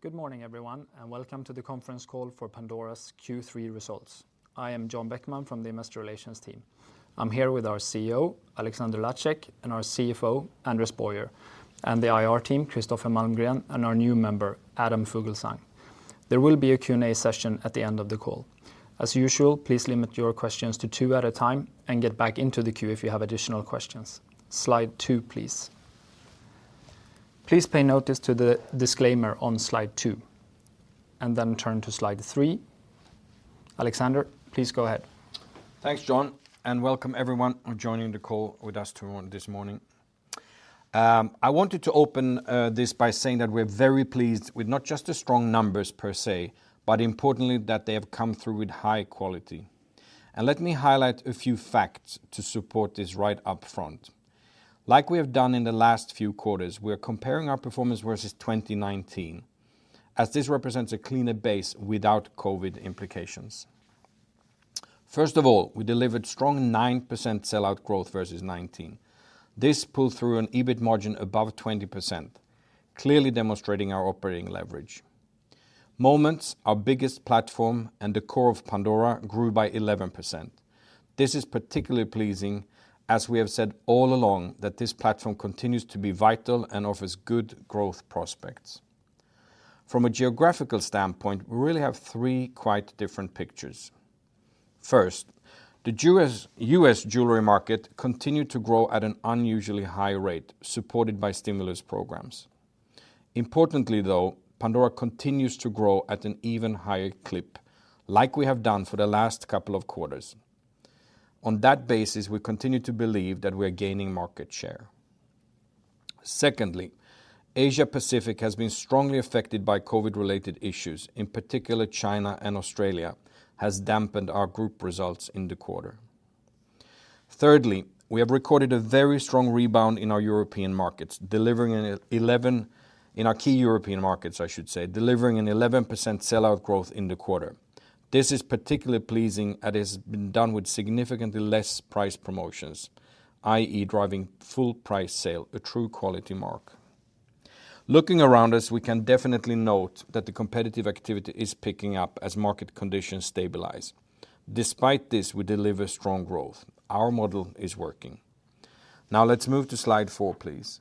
Good morning, everyone, and welcome to the conference call for Pandora's Q3 results. I am John Bäckman from the investor relations team. I'm here with our CEO, Alexander Lacik, and our CFO, Anders Boyer, and the IR team, Kristoffer Malmgren, and our new member, Adam Fuglsang. There will be a Q&A session at the end of the call. As usual, please limit your questions to two at a time and get back into the queue if you have additional questions. Slide two, please. Please take notice to the disclaimer on slide two, and then turn to slide three. Alexander, please go ahead. Thanks, John, and welcome everyone joining the call with us this morning. I wanted to open this by saying that we're very pleased with not just the strong numbers per se, but importantly that they have come through with high quality. Let me highlight a few facts to support this right up front. Like we have done in the last few quarters, we are comparing our performance versus 2019, as this represents a cleaner base without COVID implications. First of all, we delivered strong 9% sell-out growth versus 2019. This pulled through an EBIT margin above 20%, clearly demonstrating our operating leverage. Moments, our biggest platform and the core of Pandora grew by 11%. This is particularly pleasing as we have said all along that this platform continues to be vital and offers good growth prospects. From a geographical standpoint, we really have three quite different pictures. First, the U.S. jewelry market continued to grow at an unusually high rate, supported by stimulus programs. Importantly, though, Pandora continues to grow at an even higher clip, like we have done for the last couple of quarters. On that basis, we continue to believe that we are gaining market share. Secondly, Asia Pacific has been strongly affected by COVID-19-related issues. In particular, China and Australia has dampened our group results in the quarter. Thirdly, we have recorded a very strong rebound in our key European markets, I should say, delivering an 11% sell-out growth in the quarter. This is particularly pleasing and has been done with significantly less price promotions, i.e. driving full price sale, a true quality mark. Looking around us, we can definitely note that the competitive activity is picking up as market conditions stabilize. Despite this, we deliver strong growth. Our model is working. Now let's move to slide four, please.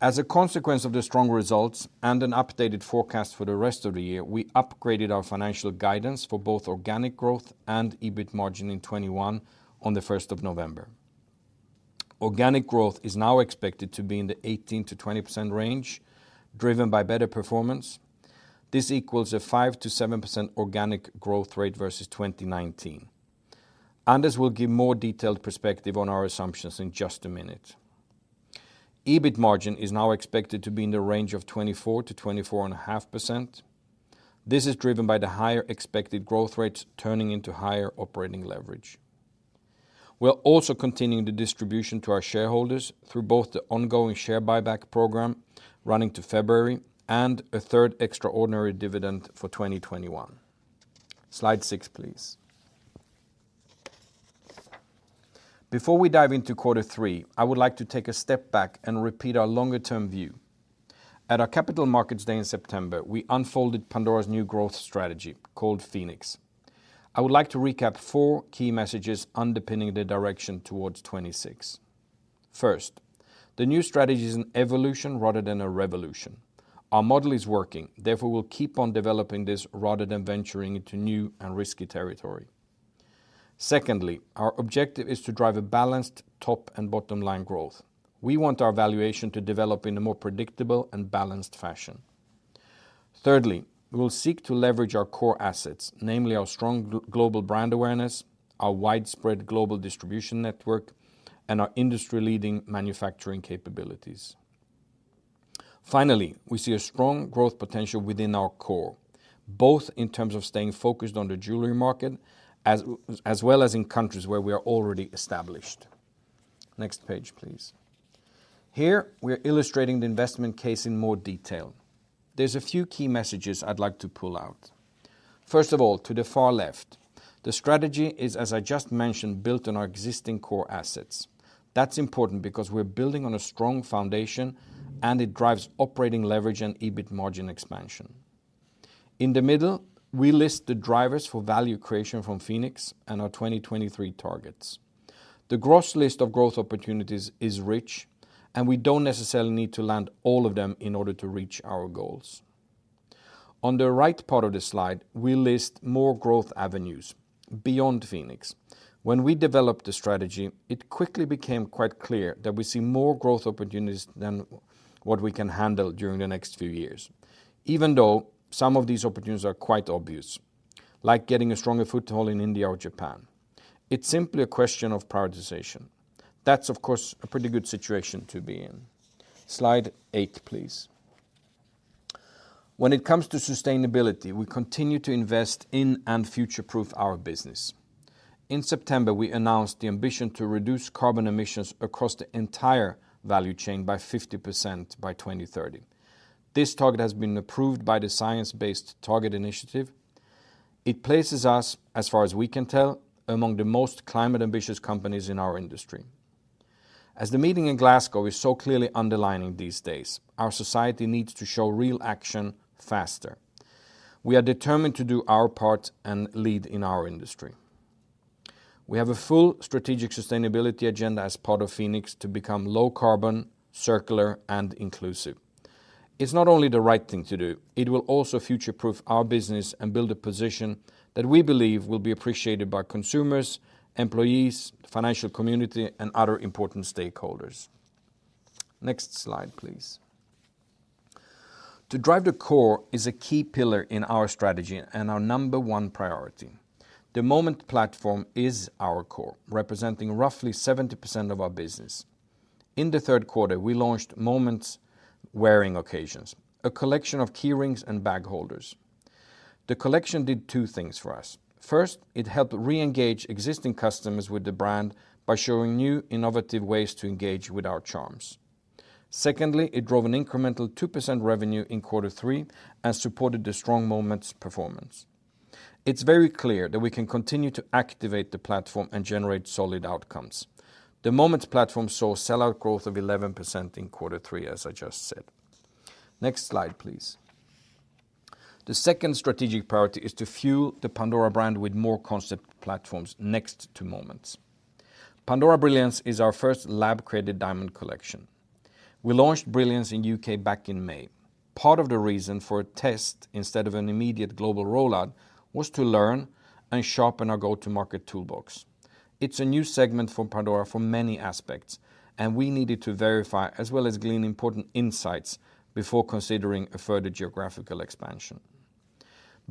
As a consequence of the strong results and an updated forecast for the rest of the year, we upgraded our financial guidance for both organic growth and EBIT margin in 2021 on the first of November. Organic growth is now expected to be in the 18%-20% range, driven by better performance. This equals a 5%-7% organic growth rate versus 2019. Anders will give more detailed perspective on our assumptions in just a minute. EBIT margin is now expected to be in the range of 24%-24.5%. This is driven by the higher expected growth rates turning into higher operating leverage. We're also continuing the distribution to our shareholders through both the ongoing share buyback program running to February and a third extraordinary dividend for 2021. Slide six, please. Before we dive into quarter three, I would like to take a step back and repeat our longer-term view. At our Capital Markets Day in September, we unfolded Pandora's new growth strategy called Phoenix. I would like to recap four key messages underpinning the direction towards 2026. First, the new strategy is an evolution rather than a revolution. Our model is working, therefore, we'll keep on developing this rather than venturing into new and risky territory. Secondly, our objective is to drive a balanced top and bottom-line growth. We want our valuation to develop in a more predictable and balanced fashion. Thirdly, we will seek to leverage our core assets, namely our strong global brand awareness, our widespread global distribution network, and our industry-leading manufacturing capabilities. Finally, we see a strong growth potential within our core, both in terms of staying focused on the jewelry market as well as in countries where we are already established. Next page, please. Here, we are illustrating the investment case in more detail. There's a few key messages I'd like to pull out. First of all, to the far left, the strategy is, as I just mentioned, built on our existing core assets. That's important because we're building on a strong foundation and it drives operating leverage and EBIT margin expansion. In the middle, we list the drivers for value creation from Phoenix and our 2023 targets. The gross list of growth opportunities is rich, and we don't necessarily need to land all of them in order to reach our goals. On the right part of the slide, we list more growth avenues beyond Phoenix. When we developed the strategy, it quickly became quite clear that we see more growth opportunities than what we can handle during the next few years, even though some of these opportunities are quite obvious, like getting a stronger foothold in India or Japan. It's simply a question of prioritization. That's, of course, a pretty good situation to be in. Slide eight, please. When it comes to sustainability, we continue to invest in and future-proof our business. In September, we announced the ambition to reduce carbon emissions across the entire value chain by 50% by 2030. This target has been approved by the Science Based Targets initiative. It places us, as far as we can tell, among the most climate ambitious companies in our industry. As the meeting in Glasgow is so clearly underlining these days, our society needs to show real action faster. We are determined to do our part and lead in our industry. We have a full strategic sustainability agenda as part of Phoenix to become low-carbon, circular, and inclusive. It's not only the right thing to do, it will also future-proof our business and build a position that we believe will be appreciated by consumers, employees, financial community, and other important stakeholders. Next slide, please. To drive the core is a key pillar in our strategy and our number one priority. The Moments platform is our core, representing roughly 70% of our business. In the third quarter, we launched Moments Wearing Occasions, a collection of key rings and bag holders. The collection did two things for us. First, it helped re-engage existing customers with the brand by showing new innovative ways to engage with our charms. Secondly, it drove an incremental 2% revenue in quarter three and supported the strong Moments performance. It's very clear that we can continue to activate the platform and generate solid outcomes. The Moments platform saw sell-out growth of 11% in quarter three, as I just said. Next slide, please. The second strategic priority is to fuel the Pandora brand with more concept platforms next to Moments. Pandora Brilliance is our first lab-created diamond collection. We launched Brilliance in U.K. back in May. Part of the reason for a test instead of an immediate global rollout was to learn and sharpen our go-to-market toolbox. It's a new segment for Pandora for many aspects, and we needed to verify as well as glean important insights before considering a further geographical expansion.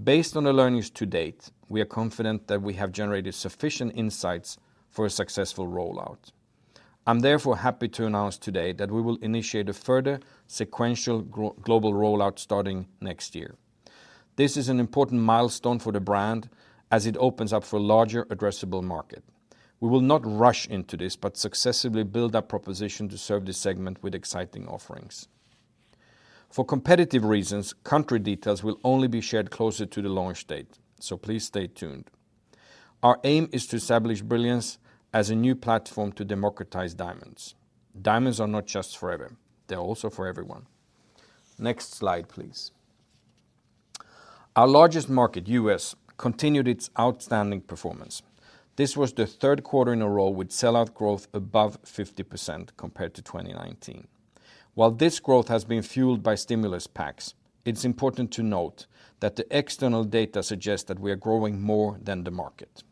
Based on the learnings to date, we are confident that we have generated sufficient insights for a successful rollout. I'm therefore happy to announce today that we will initiate a further sequential global rollout starting next year. This is an important milestone for the brand as it opens up for larger addressable market. We will not rush into this, but successively build our proposition to serve this segment with exciting offerings. For competitive reasons, country details will only be shared closer to the launch date, so please stay tuned. Our aim is to establish Brilliance as a new platform to democratize diamonds. Diamonds are not just forever, they're also for everyone. Next slide, please. Our largest market, U.S., continued its outstanding performance. This was the third quarter in a row with sell-out growth above 50% compared to 2019. While this growth has been fueled by stimulus packs, it's important to note that the external data suggests that we are growing more than the market.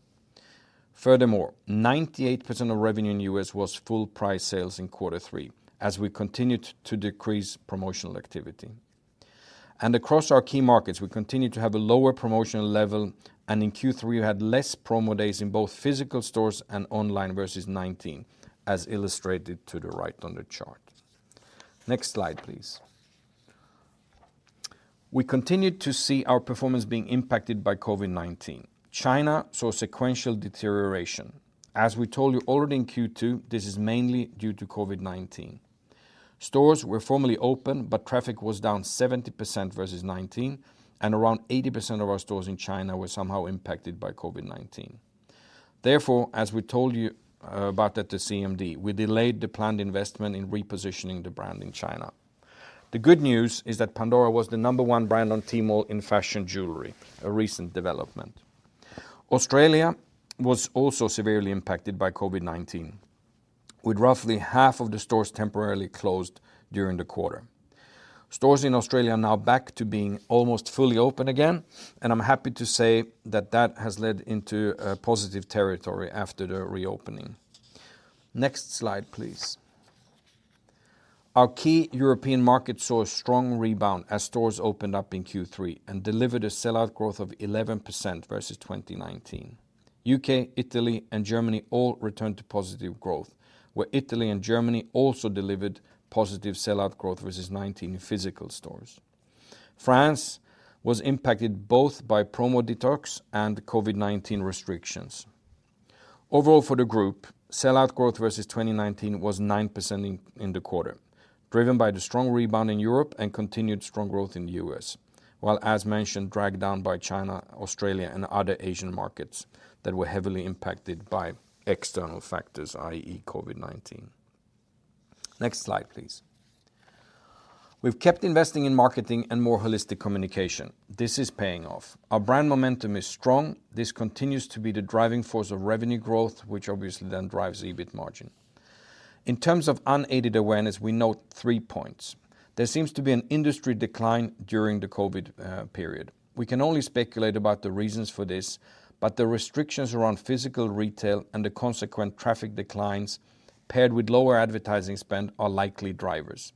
Furthermore, 98% of revenue in U.S. was full price sales in quarter three as we continued to decrease promotional activity. Across our key markets, we continue to have a lower promotional level, and in Q3, we had less promo days in both physical stores and online versus 2019, as illustrated to the right on the chart. Next slide, please. We continued to see our performance being impacted by COVID-19. China saw sequential deterioration. As we told you already in Q2, this is mainly due to COVID-19. Stores were formally open, but traffic was down 70% versus 2019, and around 80% of our stores in China were somehow impacted by COVID-19. Therefore, as we told you about at the CMD, we delayed the planned investment in repositioning the brand in China. The good news is that Pandora was the number one brand on Tmall in fashion jewelry, a recent development. Australia was also severely impacted by COVID-19, with roughly half of the stores temporarily closed during the quarter. Stores in Australia are now back to being almost fully open again, and I'm happy to say that has led into positive territory after the reopening. Next slide, please. Our key European market saw a strong rebound as stores opened up in Q3 and delivered a sell-out growth of 11% versus 2019. U.K., Italy, and Germany all returned to positive growth, where Italy and Germany also delivered positive sell-out growth versus 2019 in physical stores. France was impacted both by promotional detox and COVID-19 restrictions. Overall for the group, sell-out growth versus 2019 was 9% in the quarter, driven by the strong rebound in Europe and continued strong growth in the U.S. While as mentioned, dragged down by China, Australia and other Asian markets that were heavily impacted by external factors, i.e. COVID-19. Next slide, please. We've kept investing in marketing and more holistic communication. This is paying off. Our brand momentum is strong. This continues to be the driving force of revenue growth, which obviously then drives EBIT margin. In terms of unaided awareness, we note three points. There seems to be an industry decline during the COVID period. We can only speculate about the reasons for this, but the restrictions around physical retail and the consequent traffic declines paired with lower advertising spend are likely drivers.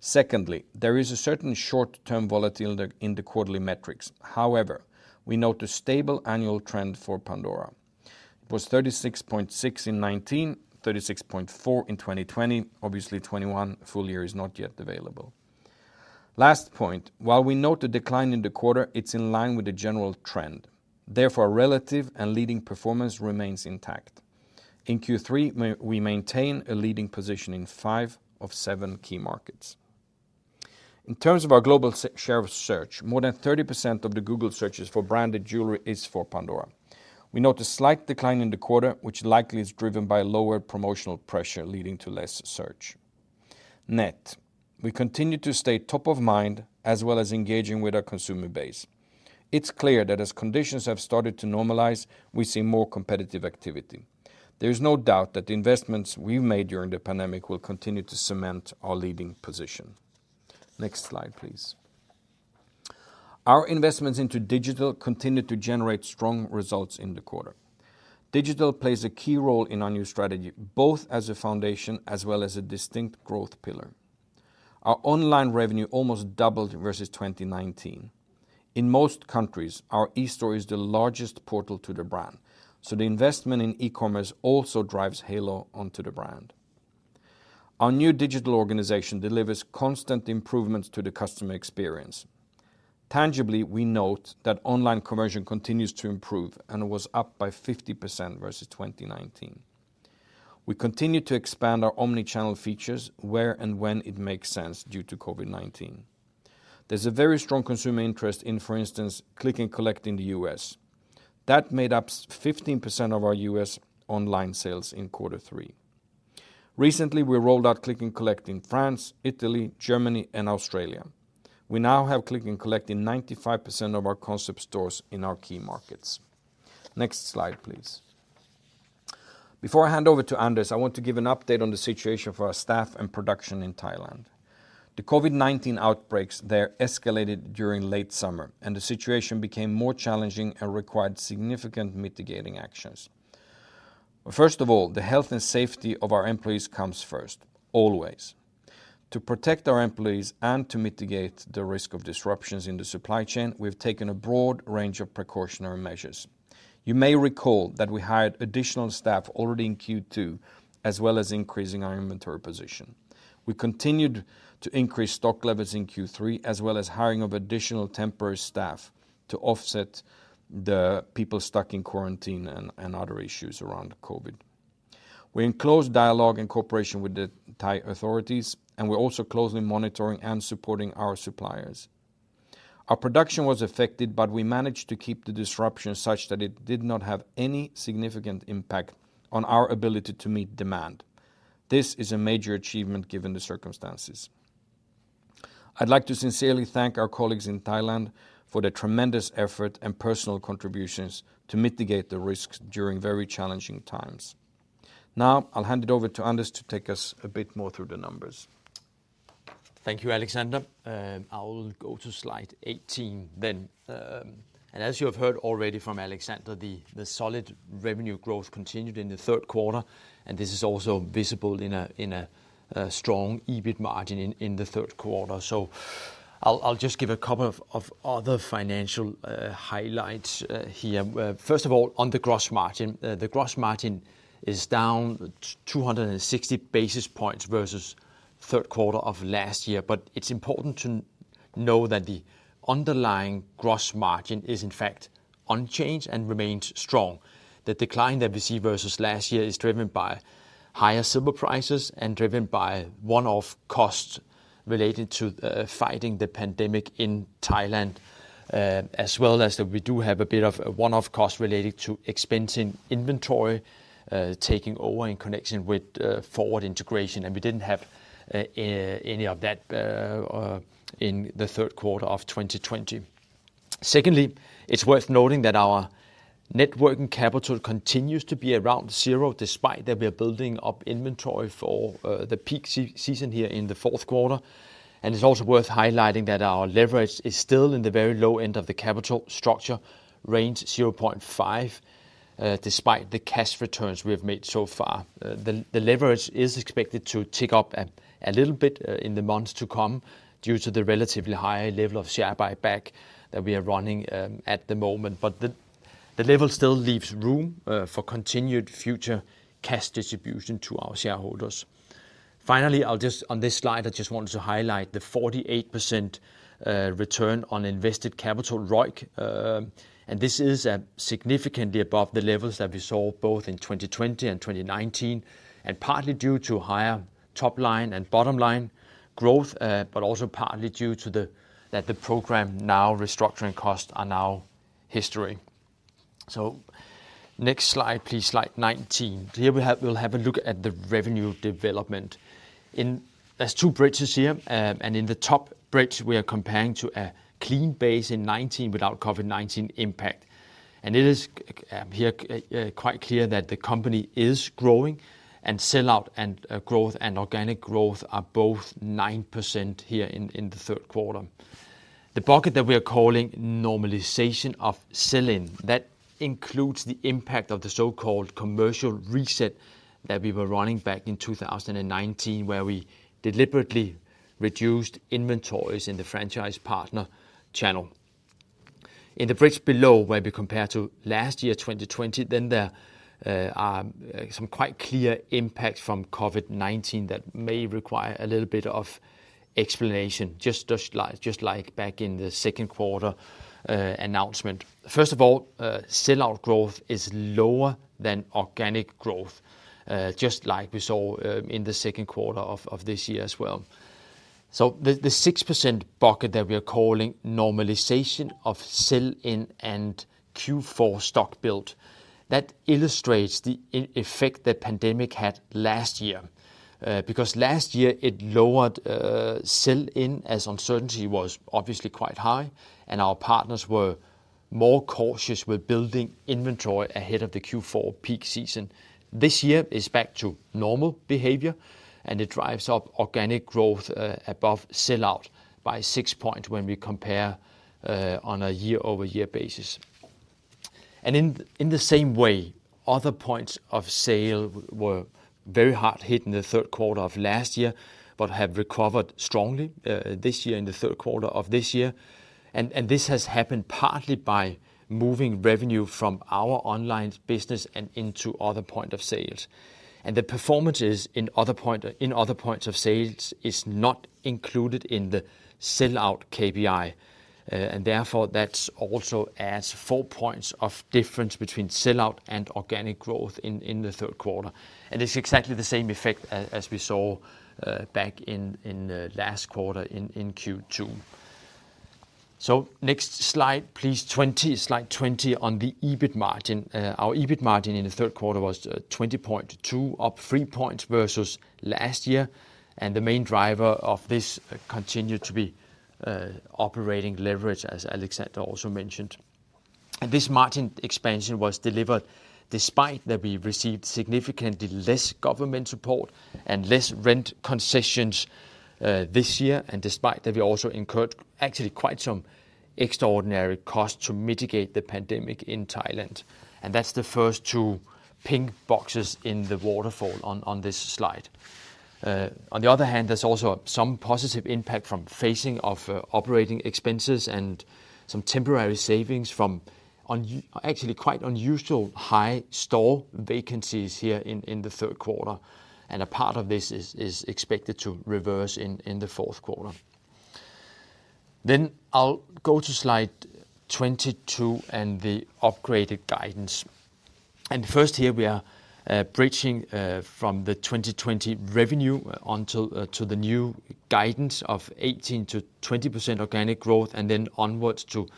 Secondly, there is a certain short-term volatility in the quarterly metrics. However, we note a stable annual trend for Pandora. It was 36.6% in 2019, 36.4% in 2020. Obviously, 2021 full year is not yet available. Last point, while we note the decline in the quarter, it's in line with the general trend. Therefore, relative and leading performance remains intact. In Q3, we maintain a leading position in five of seven key markets. In terms of our global share of search, more than 30% of the Google searches for branded jewelry is for Pandora. We note a slight decline in the quarter, which likely is driven by lower promotional pressure, leading to less search. Yet, we continue to stay top of mind, as well as engaging with our consumer base. It's clear that as conditions have started to normalize, we see more competitive activity. There is no doubt that the investments we made during the pandemic will continue to cement our leading position. Next slide, please. Our investments into digital continue to generate strong results in the quarter. Digital plays a key role in our new strategy, both as a foundation as well as a distinct growth pillar. Our online revenue almost doubled versus 2019. In most countries, our e-store is the largest portal to the brand, so the investment in e-commerce also drives halo onto the brand. Our new digital organization delivers constant improvements to the customer experience. Tangibly, we note that online conversion continues to improve and was up by 50% versus 2019. We continue to expand our omnichannel features where and when it makes sense due to COVID-19. There's a very strong consumer interest in, for instance, Click & Collect in the U.S. That made up 15% of our U.S. online sales in quarter three. Recently, we rolled out Click & Collect in France, Italy, Germany, and Australia. We now have Click & Collect in 95% of our concept stores in our key markets. Next slide, please. Before I hand over to Anders, I want to give an update on the situation for our staff and production in Thailand. The COVID-19 outbreaks there escalated during late summer, and the situation became more challenging and required significant mitigating actions. First of all, the health and safety of our employees comes first, always. To protect our employees and to mitigate the risk of disruptions in the supply chain, we've taken a broad range of precautionary measures. You may recall that we hired additional staff already in Q2, as well as increasing our inventory position. We continued to increase stock levels in Q3, as well as hiring of additional temporary staff to offset the people stuck in quarantine and other issues around COVID. We're in close dialogue and cooperation with the Thai authorities, and we're also closely monitoring and supporting our suppliers. Our production was affected, but we managed to keep the disruption such that it did not have any significant impact on our ability to meet demand. This is a major achievement given the circumstances. I'd like to sincerely thank our colleagues in Thailand for their tremendous effort and personal contributions to mitigate the risks during very challenging times. Now, I'll hand it over to Anders to take us a bit more through the numbers. Thank you, Alexander. I will go to slide 18 then. As you have heard already from Alexander, the solid revenue growth continued in the third quarter, and this is also visible in a strong EBIT margin in the third quarter. I'll just give a couple of other financial highlights here. First of all, on the gross margin. The gross margin is down 260 basis points versus third quarter of last year. It's important to know that the underlying gross margin is in fact unchanged and remains strong. The decline that we see versus last year is driven by higher silver prices and driven by one-off costs related to fighting the pandemic in Thailand, as well as we do have a bit of a one-off cost related to expensing inventory taking over in connection with forward integration, and we didn't have any of that in the third quarter of 2020. Secondly, it's worth noting that our net working capital continues to be around zero, despite that we are building up inventory for the peak season here in the fourth quarter. It's also worth highlighting that our leverage is still in the very low end of the capital structure range, 0.5, despite the cash returns we have made so far. The leverage is expected to tick up a little bit in the months to come due to the relatively high level of share buyback that we are running at the moment. The level still leaves room for continued future cash distribution to our shareholders. Finally, on this slide, I just wanted to highlight the 48% return on invested capital, ROIC, and this is significantly above the levels that we saw both in 2020 and 2019, and partly due to higher top-line and bottom-line growth, but also partly due to the fact that the Programme NOW restructuring costs are now history. Next slide, please, slide 19. Here we'll have a look at the revenue development. There's two bridges here, and in the top bridge, we are comparing to a clean base in 2019 without COVID-19 impact. It is quite clear here that the company is growing, and sell-out and growth and organic growth are both 9% here in the third quarter. The bucket that we are calling normalization of sell-in, that includes the impact of the so-called commercial reset that we were running back in 2019, where we deliberately reduced inventories in the franchise partner channel. In the bridge below, where we compare to last year, 2020, then there are some quite clear impact from COVID-19 that may require a little bit of explanation, just like back in the second quarter announcement. First of all, sell-out growth is lower than organic growth, just like we saw, in the second quarter of this year as well. The 6% bucket that we are calling normalization of sell-in and Q4 stock build, that illustrates the effect that pandemic had last year. Because last year it lowered sell-in as uncertainty was obviously quite high, and our partners were more cautious with building inventory ahead of the Q4 peak season. This year is back to normal behavior, and it drives up organic growth above sell-out by 6 points when we compare on a year-over-year basis. In the same way, other points of sale were very hard hit in the third quarter of last year, but have recovered strongly this year in the third quarter of this year. This has happened partly by moving revenue from our online business and into other points of sale. The performance in other points of sale is not included in the sell-out KPI. Therefore, that also adds 4 points of difference between sell-out and organic growth in the third quarter. It's exactly the same effect as we saw back in the last quarter in Q2. Next slide, please. Slide 20 on the EBIT margin. Our EBIT margin in the third quarter was 20.2%, up 3 points versus last year. The main driver of this continued to be operating leverage, as Alexander also mentioned. This margin expansion was delivered despite that we received significantly less government support and less rent concessions, this year, and despite that we also incurred actually quite some extraordinary costs to mitigate the pandemic in Thailand. That's the first two pink boxes in the waterfall on this slide. On the other hand, there's also some positive impact from phasing of operating expenses and some temporary savings from actually quite unusual high store vacancies here in the third quarter. A part of this is expected to reverse in the fourth quarter. I'll go to slide 22 and the upgraded guidance. First here, we are bridging from the 2020 revenue onto to the new guidance of 18%-20% organic growth, and then onwards to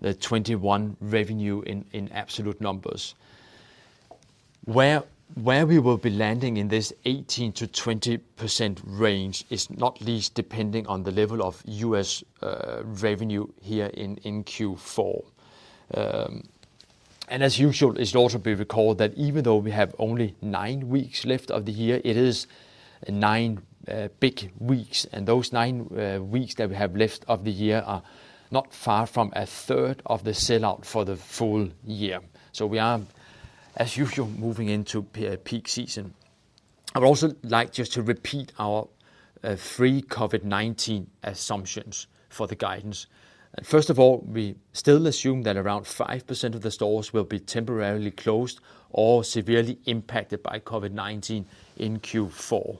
the 2021 revenue in absolute numbers. Where we will be landing in this 18%-20% range is not least depending on the level of U.S. revenue here in Q4. As usual, it should also be recalled that even though we have only nine weeks left of the year, it is nine big weeks, and those nine weeks that we have left of the year are not far from a third of the sell-out for the full year. We are, as usual, moving into peak season. I'd also like just to repeat our three COVID-19 assumptions for the guidance. First of all, we still assume that around 5% of the stores will be temporarily closed or severely impacted by COVID-19 in Q4.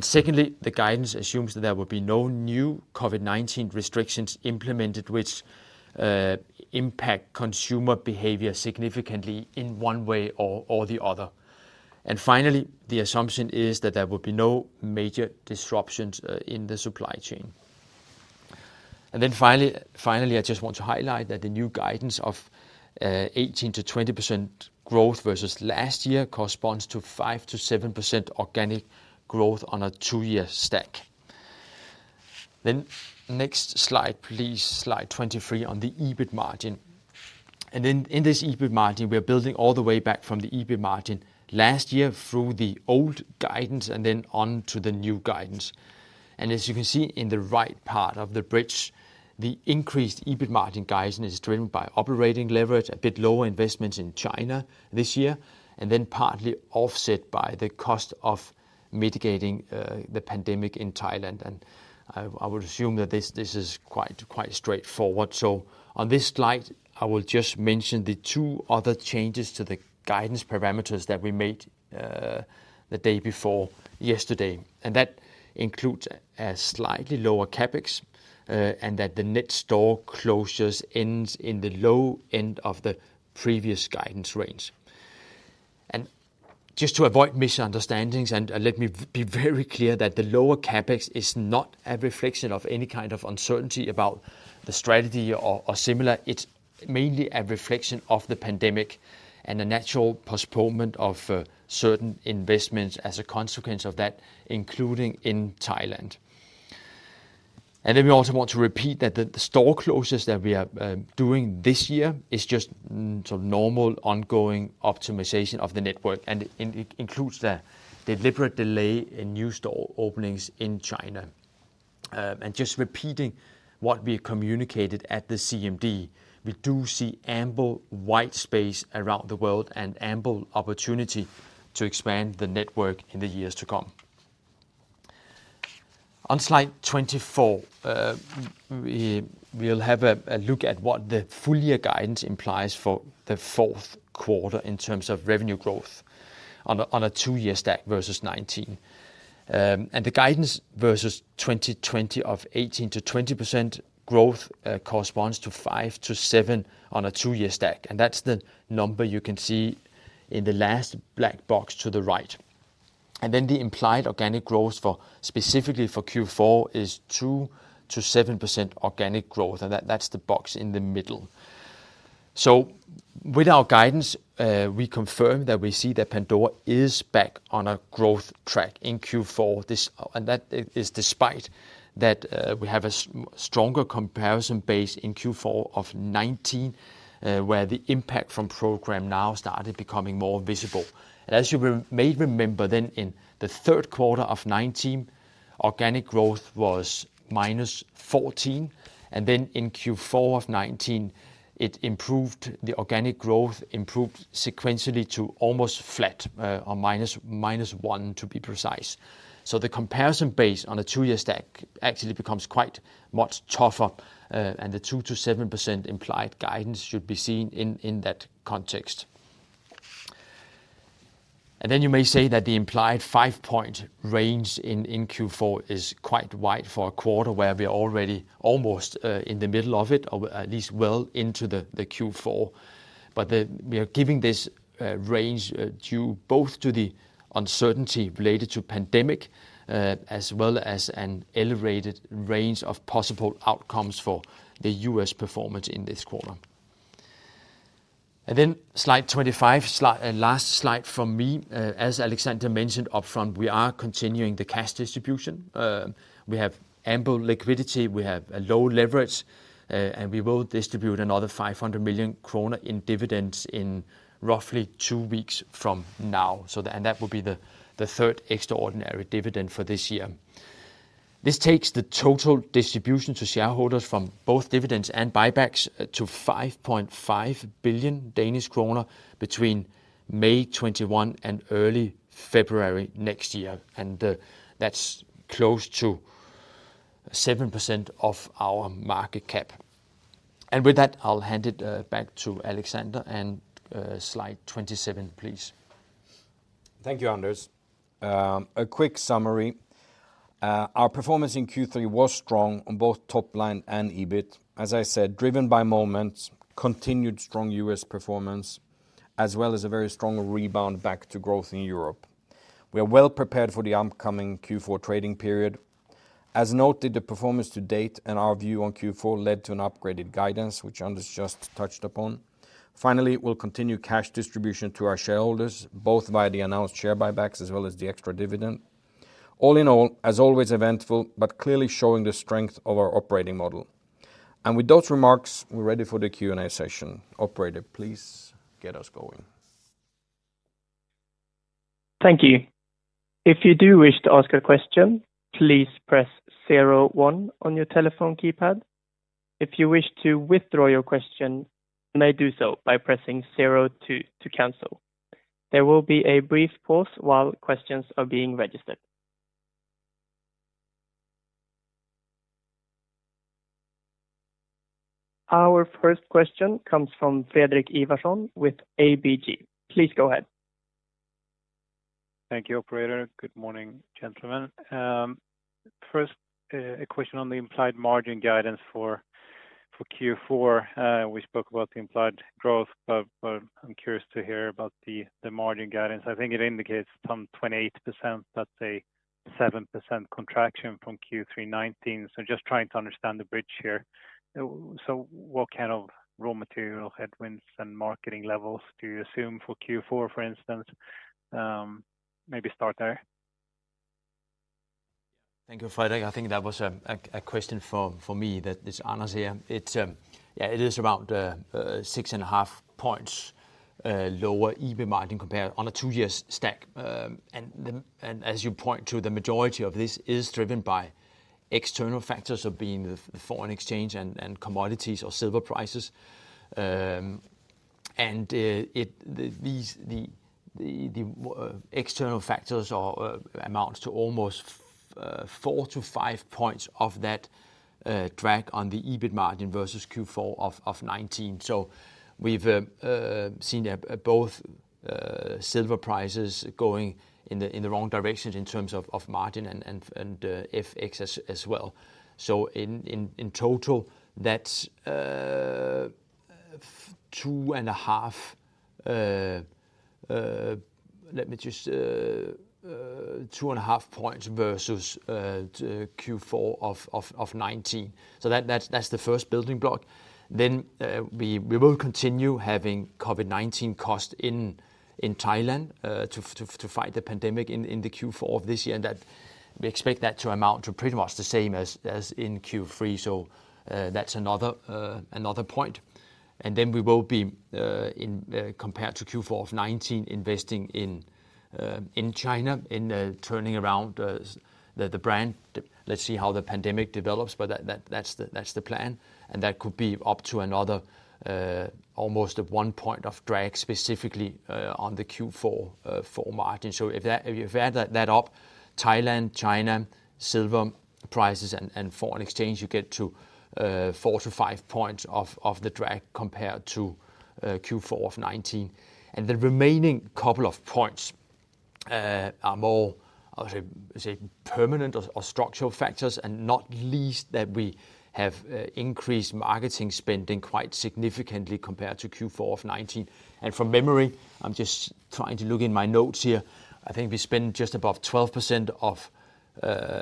Secondly, the guidance assumes that there will be no new COVID-19 restrictions implemented which impact consumer behavior significantly in one way or the other. Finally, the assumption is that there will be no major disruptions in the supply chain. Finally, I just want to highlight that the new guidance of 18%-20% growth versus last year corresponds to 5%-7% organic growth on a two-year stack. Next slide, please. Slide 23 on the EBIT margin. In this EBIT margin, we are building all the way back from the EBIT margin last year through the old guidance and then on to the new guidance. As you can see in the right part of the bridge, the increased EBIT margin guidance is driven by operating leverage, a bit lower investments in China this year, and then partly offset by the cost of mitigating the pandemic in Thailand. I would assume that this is quite straightforward. On this slide, I will just mention the two other changes to the guidance parameters that we made the day before yesterday. That includes a slightly lower CapEx, and that the net store closures ends in the low end of the previous guidance range. Just to avoid misunderstandings, let me be very clear that the lower CapEx is not a reflection of any kind of uncertainty about the strategy or similar. It's mainly a reflection of the pandemic and the natural postponement of certain investments as a consequence of that, including in Thailand. Then we also want to repeat that the store closures that we are doing this year is just sort of normal ongoing optimization of the network, and it includes the deliberate delay in new store openings in China. Just repeating what we communicated at the CMD, we do see ample white space around the world and ample opportunity to expand the network in the years to come. On slide 24, we'll have a look at what the full year guidance implies for the fourth quarter in terms of revenue growth on a two-year stack versus 2019. The guidance versus 2020 of 18%-20% growth corresponds to 5%-7% on a two-year stack. That's the number you can see in the last black box to the right. Then the implied organic growth for specifically for Q4 is 2%-7% organic growth, and that's the box in the middle. With our guidance, we confirm that we see that Pandora is back on a growth track in Q4. That is despite that we have a stronger comparison base in Q4 of 2019, where the impact from Programme NOW started becoming more visible. As you may remember then in the third quarter of 2019, organic growth was -14%, and then in Q4 2019 it improved, organic growth improved sequentially to almost flat, or -1%, to be precise. The comparison base on a two-year stack actually becomes quite much tougher, and the 2%-7% implied guidance should be seen in that context. You may say that the implied 5-point range in Q4 is quite wide for a quarter where we're already almost in the middle of it, or at least well into the Q4. We are giving this range due both to the uncertainty related to pandemic, as well as an elevated range of possible outcomes for the U.S. performance in this quarter. Then slide 25, last slide from me. As Alexander mentioned upfront, we are continuing the cash distribution. We have ample liquidity, we have a low leverage, and we will distribute another 500 million kroner in roughly two weeks from now. That will be the third extraordinary dividend for this year. This takes the total distribution to shareholders from both dividends and buybacks to 5.5 billion Danish kroner between May 2021 and early February next year. That's close to 7% of our market cap. With that, I'll hand it back to Alexander. Slide 27, please. Thank you, Anders. A quick summary. Our performance in Q3 was strong on both top line and EBIT, as I said, driven by Moments, continued strong U.S. performance, as well as a very strong rebound back to growth in Europe. We are well prepared for the upcoming Q4 trading period. As noted, the performance to date and our view on Q4 led to an upgraded guidance, which Anders just touched upon. Finally, we'll continue cash distribution to our shareholders, both via the announced share buybacks as well as the extra dividend. All in all, as always, eventful, but clearly showing the strength of our operating model. With those remarks, we're ready for the Q&A session. Operator, please get us going. Our first question comes from Fredrik Ivarsson with ABG. Please go ahead. Thank you, operator. Good morning, gentlemen. First, a question on the implied margin guidance for Q4. We spoke about the implied growth, but I'm curious to hear about the margin guidance. I think it indicates some 28%, that's a 7% contraction from Q3 2019. Just trying to understand the bridge here. What kind of raw material headwinds and marketing levels do you assume for Q4, for instance? Maybe start there. Thank you, Frederik. I think that was a question for me, that is Anders here. It is around 6.5 points lower EBIT margin compared on a two-year stack. As you point to, the majority of this is driven by external factors being the foreign exchange and commodities or silver prices. These external factors amount to almost 4-5 points of that drag on the EBIT margin versus Q4 of 2019. We've seen both silver prices going in the wrong direction in terms of margin and FX as well. In total, that's 2.5 points versus Q4 2019. That's the first building block. We will continue having COVID-19 costs in Thailand to fight the pandemic in the Q4 of this year, and that we expect that to amount to pretty much the same as in Q3. That's another point. We will be compared to Q4 2019 investing in China in turning around the brand. Let's see how the pandemic develops, but that's the plan. That could be up to another, almost a 1 point of drag specifically on the Q4 margin. If you add that up, Thailand, China, silver prices and foreign exchange, you get to 4-5 points of the drag compared to Q4 of 2019. The remaining couple of points are more I would say permanent or structural factors, and not least that we have increased marketing spending quite significantly compared to Q4 of 2019. From memory, I'm just trying to look in my notes here. I think we spend just above 12% of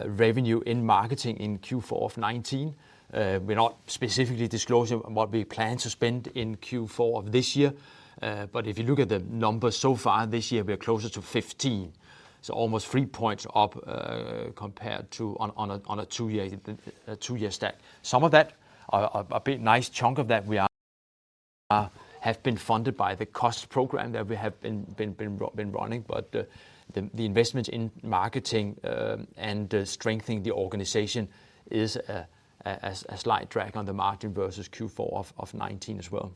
revenue in marketing in Q4 of 2019. We're not specifically disclosing what we plan to spend in Q4 of this year. If you look at the numbers so far this year, we are closer to 15. Almost three points up compared to on a two-year stack. Some of that, a big nice chunk of that we have been funded by the cost program that we have been running. The investment in marketing and strengthening the organization is a slight drag on the margin versus Q4 of 2019 as well.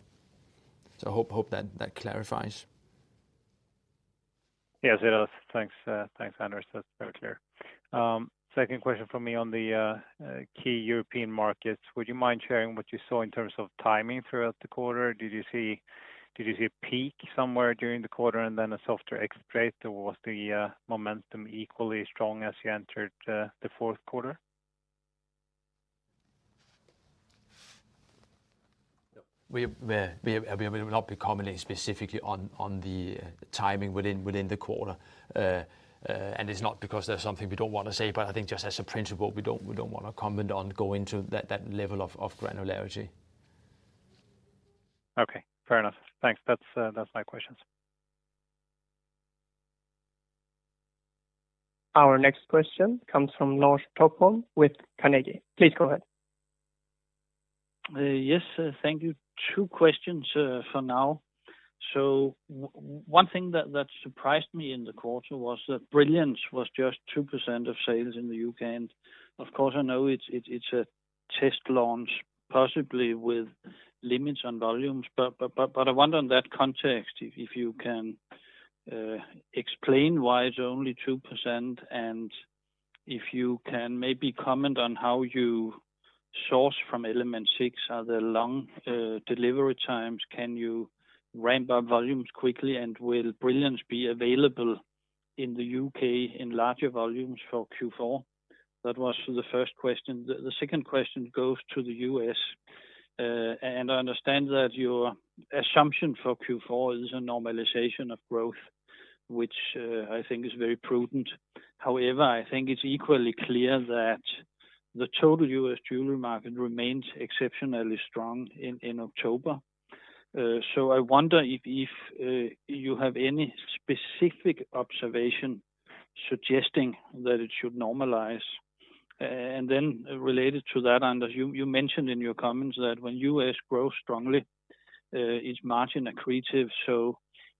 Hope that clarifies. Yes, it does. Thanks, Anders. That's very clear. Second question from me on the key European markets. Would you mind sharing what you saw in terms of timing throughout the quarter? Did you see a peak somewhere during the quarter and then a softer FX rate? Or was the momentum equally strong as you entered the fourth quarter? We will not be commenting specifically on the timing within the quarter. It's not because there's something we don't wanna say, but I think just as a principle, we don't wanna comment on going to that level of granularity. Okay, fair enough. Thanks. That's my questions. Our next question comes from Lars Topholm with Carnegie. Please go ahead. Yes, thank you. Two questions, for now. One thing that surprised me in the quarter was that Brilliance was just 2% of sales in the U.K. Of course I know it's a test launch, possibly with limits on volumes. I wonder in that context if you can explain why it's only 2% and if you can maybe comment on how you source from Element Six. Are there long delivery times? Can you ramp up volumes quickly? Will Brilliance be available in the U.K. in larger volumes for Q4? That was for the first question. The second question goes to the U.S. I understand that your assumption for Q4 is a normalization of growth, which I think is very prudent. However, I think it's equally clear that the total U.S. jewelry market remains exceptionally strong in October. I wonder if you have any specific observation suggesting that it should normalize? Then related to that, Anders, you mentioned in your comments that when U.S. grows strongly, its margin accretive.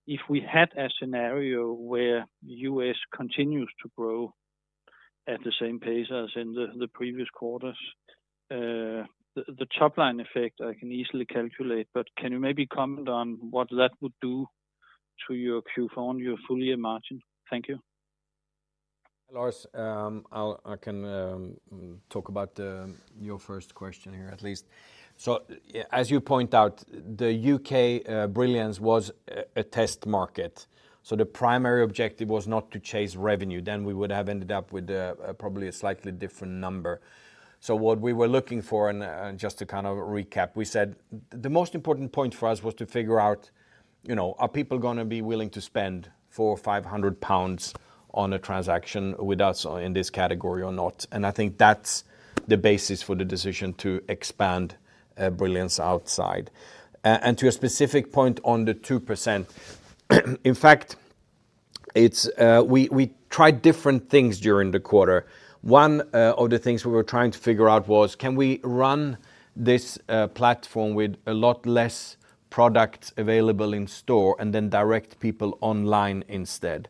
If we had a scenario where U.S. continues to grow at the same pace as in the previous quarters, the top-line effect I can easily calculate, but can you maybe comment on what that would do to your Q4 and your full-year margin? Thank you. Lars, I can talk about your first question here at least. As you point out, the U.K., Brilliance was a test market, so the primary objective was not to chase revenue, then we would have ended up with probably a slightly different number. What we were looking for and just to kind of recap, we said the most important point for us was to figure out, you know, are people gonna be willing to spend 400 or 500 pounds on a transaction with us in this category or not? I think that's the basis for the decision to expand Brilliance outside. To a specific point on the 2%, in fact, it's we tried different things during the quarter. One of the things we were trying to figure out was, can we run this platform with a lot less products available in store and then direct people online instead?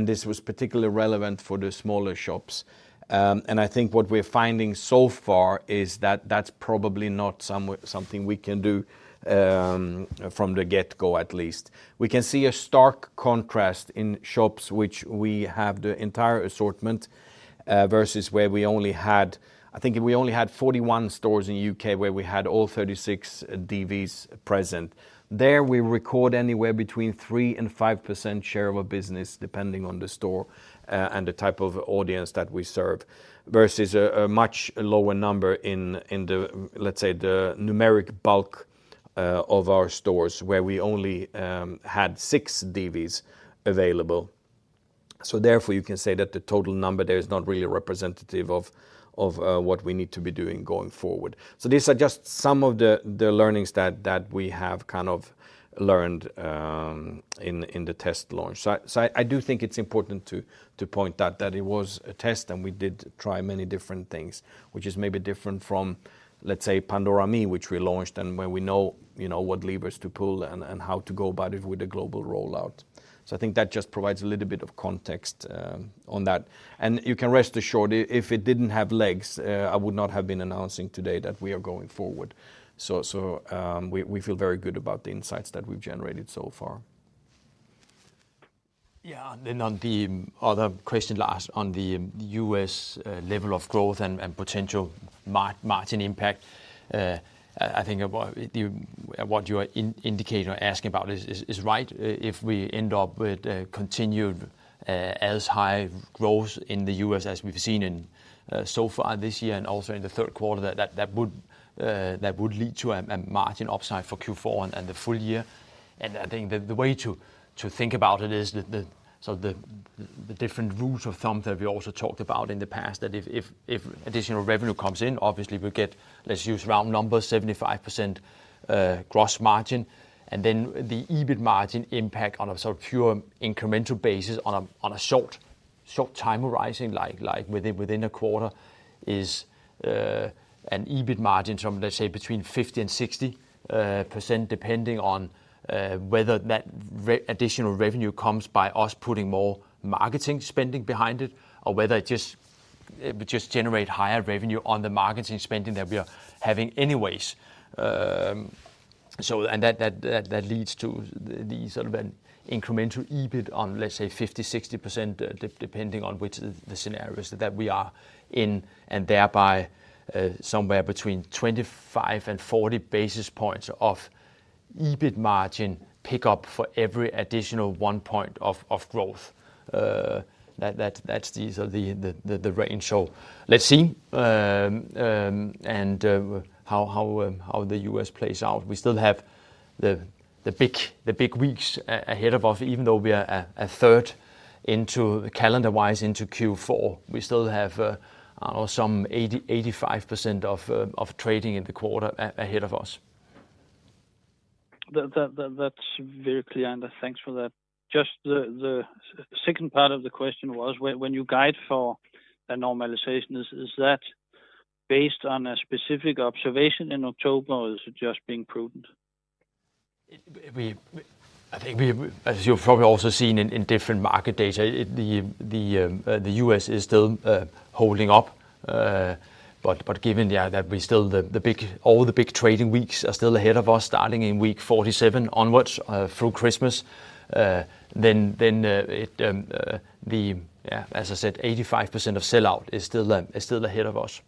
This was particularly relevant for the smaller shops. I think what we're finding so far is that that's probably not something we can do from the get-go, at least. We can see a stark contrast in shops which we have the entire assortment versus where we only had. I think we only had 41 stores in U.K. where we had all 36 DVs present. There we record anywhere between 3%-5% share of a business, depending on the store, and the type of audience that we serve, versus a much lower number in the, let's say, numeric bulk of our stores where we only had six DVs available. Therefore, you can say that the total number there is not really representative of what we need to be doing going forward. These are just some of the learnings that we have kind of learned in the test launch. I do think it's important to point out that it was a test and we did try many different things, which is maybe different from, let's say, Pandora ME, which we launched and where we know, you know, what levers to pull and how to go about it with a global rollout. I think that just provides a little bit of context on that. You can rest assured if it didn't have legs, I would not have been announcing today that we are going forward. We feel very good about the insights that we've generated so far. On the other question last on the U.S. level of growth and potential margin impact. I think what you are indicating or asking about is right. If we end up with continued as high growth in the U.S. as we've seen in so far this year and also in the third quarter that would lead to a margin upside for Q4 and the full year. I think the way to think about it is the different rules of thumb that we also talked about in the past, that if additional revenue comes in, obviously we'll get, let's use round numbers, 75% gross margin. The EBIT margin impact on a sort of pure incremental basis on a short time horizon like within a quarter is an EBIT margin from, let's say, between 50% and 60%, depending on whether that additional revenue comes by us putting more marketing spending behind it, or whether it just would generate higher revenue on the marketing spending that we are having anyways. That leads to the sort of an incremental EBIT of, let's say, 50%-60% depending on which scenario we are in. Thereby, somewhere between 25 and 40 basis points of EBIT margin pick up for every additional 1 point of growth. That's the range. Let's see how the U.S. plays out. We still have the big weeks ahead of us, even though we are a third into calendar-wise into Q4. We still have some 85% of trading in the quarter ahead of us. That's very clear, and thanks for that. Just the second part of the question was when you guide for a normalization, is that based on a specific observation in October, or is it just being prudent? I think as you've probably also seen in different market data, the U.S. is still holding up. Given that all the big trading weeks are still ahead of us, starting in week 47 onwards through Christmas, as I said, 85% of sell-out is still ahead of us.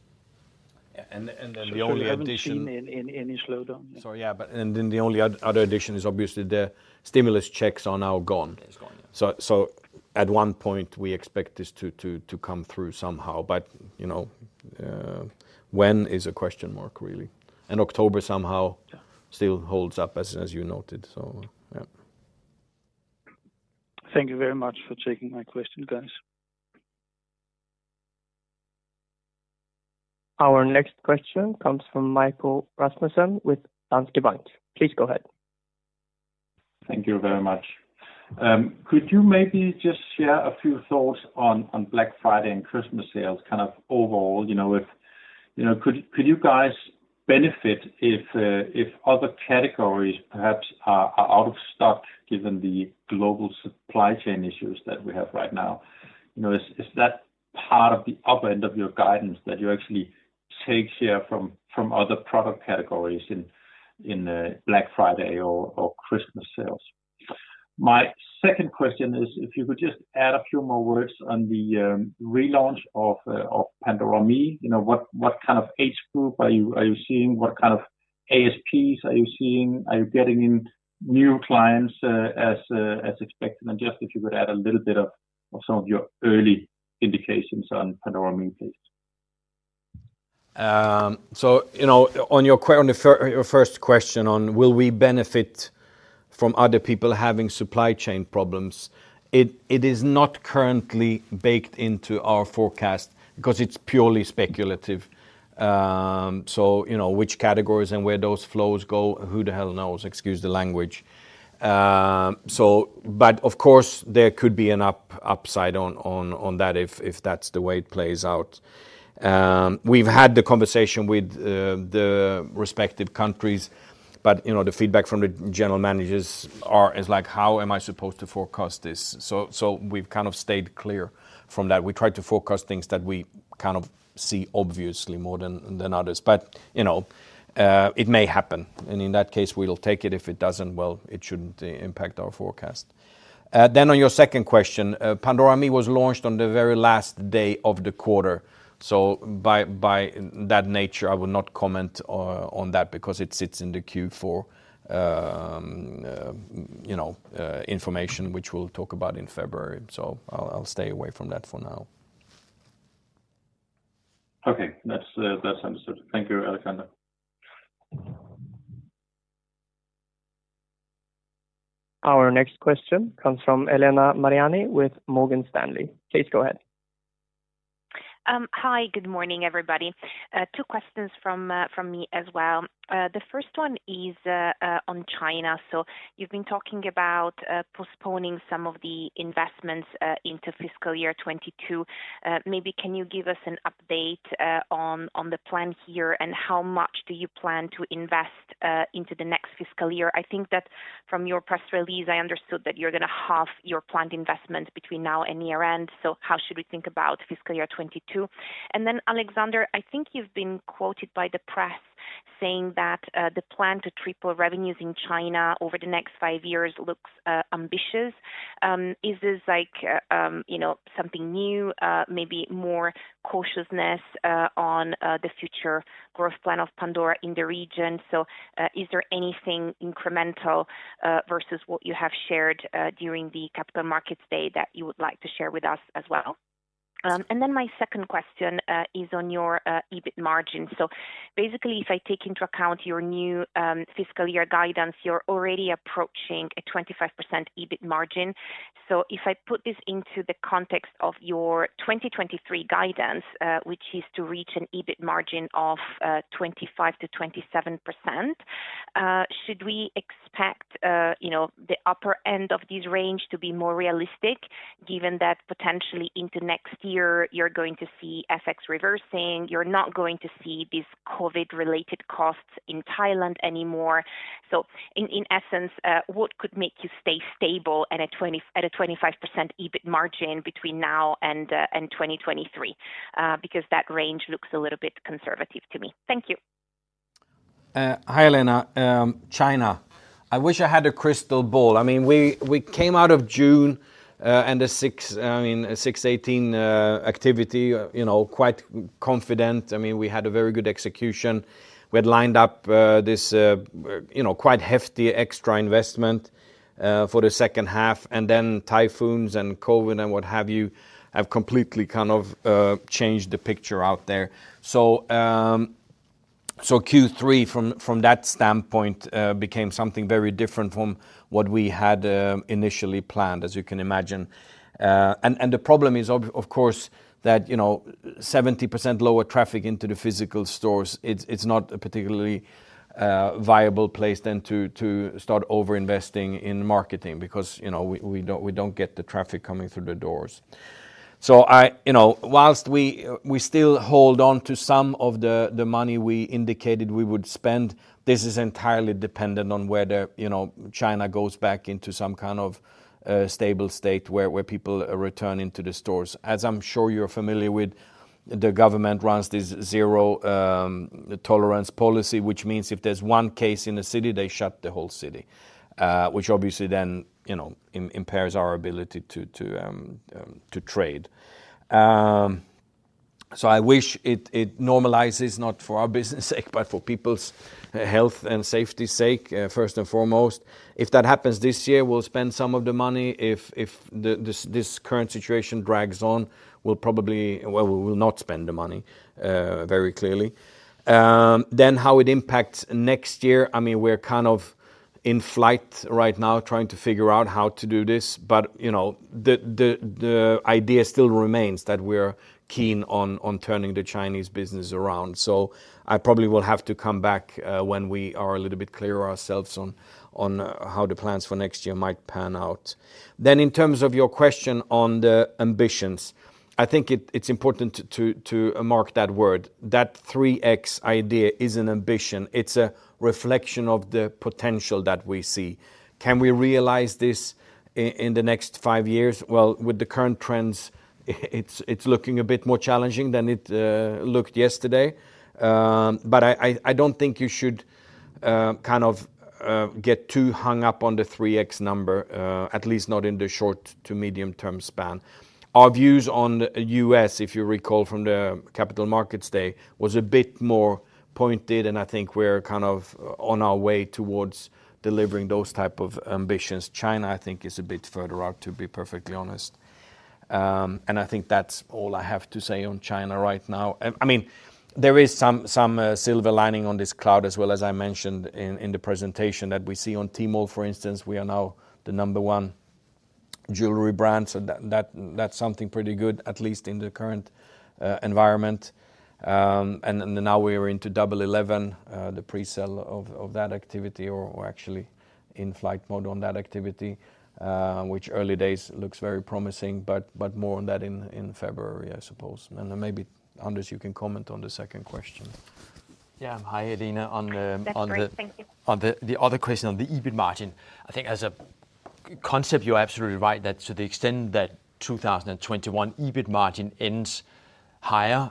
Yeah, the only addition. You haven't seen any slowdown? Sorry. Yeah. The only other addition is obviously the stimulus checks are now gone. It's gone, yeah. At one point, we expect this to come through somehow. You know, when is a question mark, really. October somehow. Yeah Still holds up as you noted. Yeah. Thank you very much for taking my question, guys. Our next question comes from Michael Rasmussen with Danske Bank. Please go ahead. Thank you very much. Could you maybe just share a few thoughts on Black Friday and Christmas sales kind of overall, you know, if you guys could benefit if other categories perhaps are out of stock given the global supply chain issues that we have right now? You know, is that part of the upper end of your guidance that you actually take share from other product categories in Black Friday or Christmas sales? My second question is if you could just add a few more words on the relaunch of Pandora ME. You know, what kind of age group are you seeing? What kind of ASPs are you seeing? Are you getting in new clients as expected? Just if you could add a little bit of some of your early indications on Pandora ME, please. You know, on your first question on will we benefit from other people having supply chain problems, it is not currently baked into our forecast because it's purely speculative. You know, which categories and where those flows go, who the hell knows? Excuse the language. But of course, there could be an upside on that if that's the way it plays out. We've had the conversation with the respective countries, but you know, the feedback from the general managers is like, "How am I supposed to forecast this?" We've kind of stayed clear from that. We try to forecast things that we kind of see obviously more than others. You know, it may happen, and in that case, we'll take it. If it doesn't, well, it shouldn't impact our forecast. On your second question, Pandora ME was launched on the very last day of the quarter. By that nature, I will not comment on that because it sits in the Q4, you know, information, which we'll talk about in February. I'll stay away from that for now. Okay. That's understood. Thank you, Alexander. Our next question comes from Elena Mariani with Morgan Stanley. Please go ahead. Hi. Good morning, everybody. Two questions from me as well. The first one is on China. You've been talking about postponing some of the investments into fiscal year 2022. Maybe can you give us an update on the plan here, and how much do you plan to invest into the next fiscal year? I think that from your press release, I understood that you're gonna halve your planned investment between now and year-end. How should we think about fiscal year 2022? Then, Alexander, I think you've been quoted by the press. Saying that, the plan to triple revenues in China over the next five years looks ambitious. Is this like, you know, something new, maybe more cautiousness on the future growth plan of Pandora in the region? Is there anything incremental versus what you have shared during the Capital Markets Day that you would like to share with us as well? My second question is on your EBIT margin. Basically, if I take into account your new fiscal year guidance, you're already approaching a 25% EBIT margin. If I put this into the context of your 2023 guidance, which is to reach an EBIT margin of 25%-27%, should we expect, you know, the upper end of this range to be more realistic given that potentially into next year you're going to see FX reversing, you're not going to see these COVID-related costs in Thailand anymore? In essence, what could make you stay stable at a 25% EBIT margin between now and 2023? Because that range looks a little bit conservative to me. Thank you. Hi Elena. China. I wish I had a crystal ball. I mean, we came out of June and the 618 activity, you know, quite confident. I mean, we had a very good execution. We had lined up this, you know, quite hefty extra investment for the second half, and then typhoons and COVID and what have you have completely kind of changed the picture out there. Q3 from that standpoint became something very different from what we had initially planned, as you can imagine. The problem is of course that, you know, 70% lower traffic into the physical stores. It's not a particularly viable place then to start overinvesting in marketing because, you know, we don't get the traffic coming through the doors. You know, while we still hold on to some of the money we indicated we would spend, this is entirely dependent on whether, you know, China goes back into some kind of stable state where people are returning to the stores. As I'm sure you're familiar with, the government runs this zero-tolerance policy, which means if there's one case in a city, they shut the whole city, which obviously then, you know, impairs our ability to trade. I wish it normalizes not for our business sake, but for people's health and safety sake, first and foremost. If that happens this year, we'll spend some of the money. If the current situation drags on, well, we will not spend the money, very clearly. How it impacts next year, I mean, we're kind of in flight right now trying to figure out how to do this. You know, the idea still remains that we're keen on turning the Chinese business around. I probably will have to come back when we are a little bit clearer ourselves on how the plans for next year might pan out. In terms of your question on the ambitions, I think it's important to mark that word. That 3x idea is an ambition. It's a reflection of the potential that we see. Can we realize this in the next five years? Well, with the current trends, it's looking a bit more challenging than it looked yesterday. But I don't think you should kind of get too hung up on the 3x number, at least not in the short to medium term span. Our views on U.S., if you recall from the Capital Markets Day, was a bit more pointed, and I think we're kind of on our way towards delivering those type of ambitions. China, I think, is a bit further out, to be perfectly honest. I think that's all I have to say on China right now. I mean, there is some silver lining on this cloud as well, as I mentioned in the presentation that we see on Tmall, for instance. We are now the number one jewelry brand, so that's something pretty good, at least in the current environment. Now we're into double eleven, the pre-sale of that activity, or actually in flight mode on that activity, which early days looks very promising, but more on that in February, I suppose. Then maybe, Anders, you can comment on the second question. Yeah. Hi, Elena. On the- That's great. Thank you.... on the other question on the EBIT margin. I think as a concept, you're absolutely right that to the extent that 2021 EBIT margin ends higher,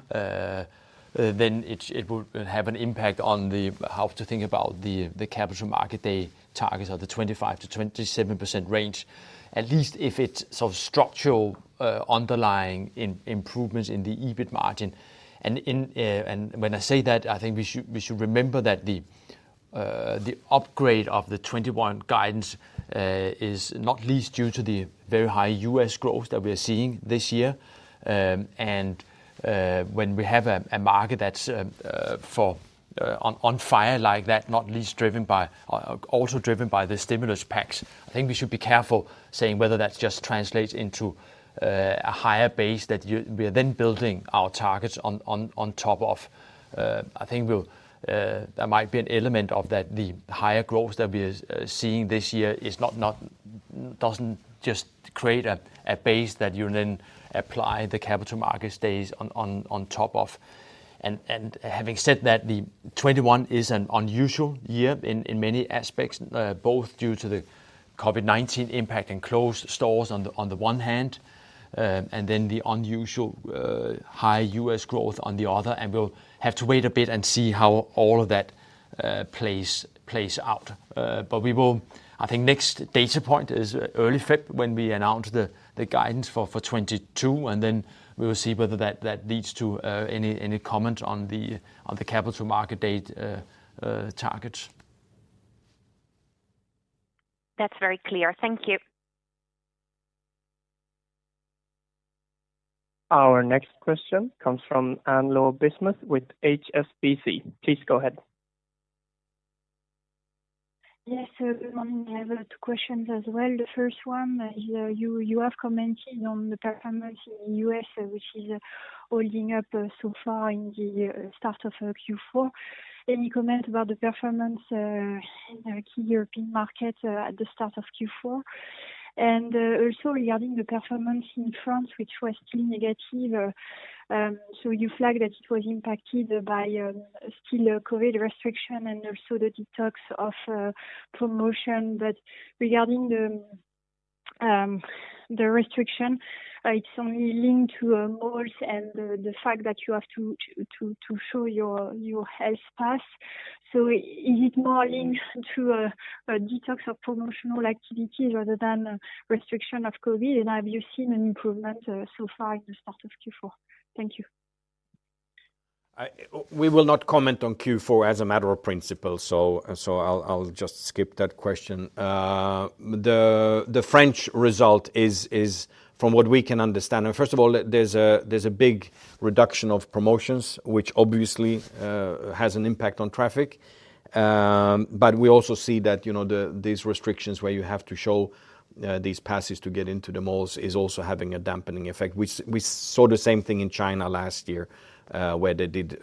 then it would have an impact on the how to think about the Capital Markets Day targets of the 25%-27% range, at least if it's sort of structural, underlying improvements in the EBIT margin. In and when I say that, I think we should remember that the upgrade of the 2021 guidance is not least due to the very high U.S. growth that we're seeing this year. When we have a market that's on fire like that, not least, also driven by the stimulus packs, I think we should be careful saying whether that just translates into a higher base that we are then building our targets on top of. That might be an element of that, the higher growth that we are seeing this year is not Doesn't just create a base that you then apply the Capital Markets Day on top of. Having said that, 2021 is an unusual year in many aspects, both due to the COVID-19 impact and closed stores on the one hand, and then the unusual high U.S. growth on the other. We'll have to wait a bit and see how all of that plays out. We will. I think next data point is early February, when we announce the guidance for 2022, and then we will see whether that leads to any comment on the Capital Markets Day targets. That's very clear. Thank you. Our next question comes from Anne-Laure Bismuth with HSBC. Please go ahead. Yes, good morning. I have two questions as well. The first one is, you have commented on the performance in U.S., which is holding up so far in the start of Q4. Any comment about the performance in the key European market at the start of Q4? Also regarding the performance in France, which was still negative. You flagged that it was impacted by still COVID restriction and also the detox of promotion. But regarding the restriction, it's only linked to malls and the fact that you have to show your health pass. Is it more linked to a detox of promotional activities rather than restriction of COVID? And have you seen an improvement so far in the start of Q4? Thank you. We will not comment on Q4 as a matter of principle. I'll just skip that question. The French result is from what we can understand. First of all, there's a big reduction of promotions, which obviously has an impact on traffic. We also see that these restrictions where you have to show these passes to get into the malls is also having a dampening effect. We saw the same thing in China last year, where they did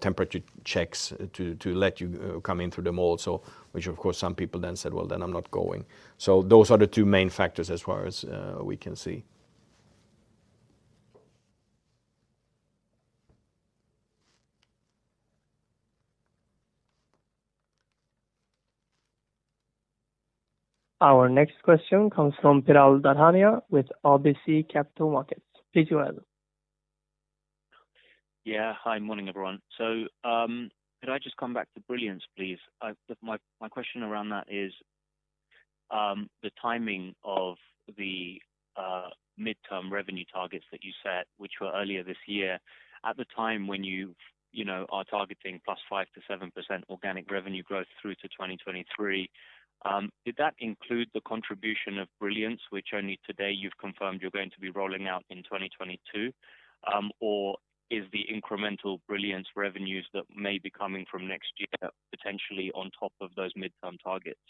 temperature checks to let you come in through the malls, which of course, some people then said, "Well, then I'm not going." Those are the two main factors as far as we can see. Our next question comes from Piral Dadhania with RBC Capital Markets. Please go ahead. Yeah. Hi, morning everyone. Could I just come back to Brilliance, please? My question around that is the timing of the midterm revenue targets that you set, which were earlier this year. At the time when you know, are targeting +5%-7% organic revenue growth through to 2023, did that include the contribution of Brilliance, which only today you've confirmed you're going to be rolling out in 2022? Or is the incremental Brilliance revenues that may be coming from next year potentially on top of those midterm targets?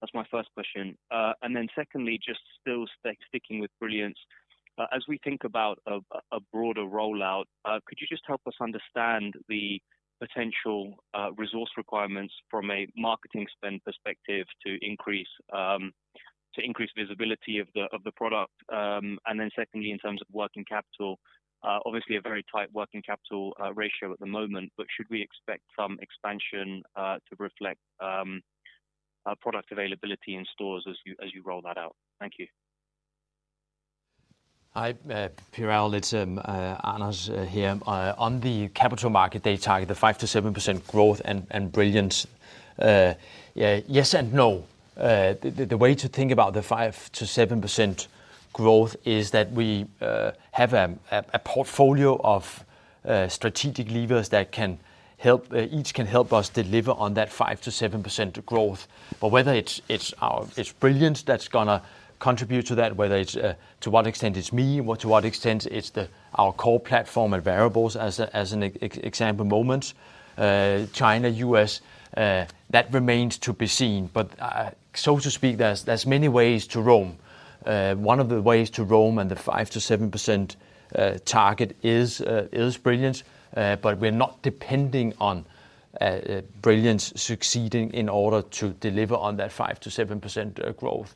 That's my first question. Secondly, just still sticking with Brilliance. As we think about a broader rollout, could you just help us understand the potential resource requirements from a marketing spend perspective to increase visibility of the product? Secondly, in terms of working capital, obviously a very tight working capital ratio at the moment, but should we expect some expansion to reflect product availability in stores as you roll that out? Thank you. Hi, Piral. It's Anders here. On the Capital Markets Day target, the 5%-7% growth and Brilliance. Yeah, yes and no. The way to think about the 5%-7% growth is that we have a portfolio of strategic levers that can help us deliver on that 5%-7% growth. Whether it's Brilliance that's gonna contribute to that, to what extent it's ME, to what extent it's our core platform, e.g., Moments, China, U.S., that remains to be seen. So to speak, there's many ways to grow. One of the ways to grow to the 5%-7% target is Brilliance. We're not depending on Brilliance succeeding in order to deliver on that 5%-7% growth.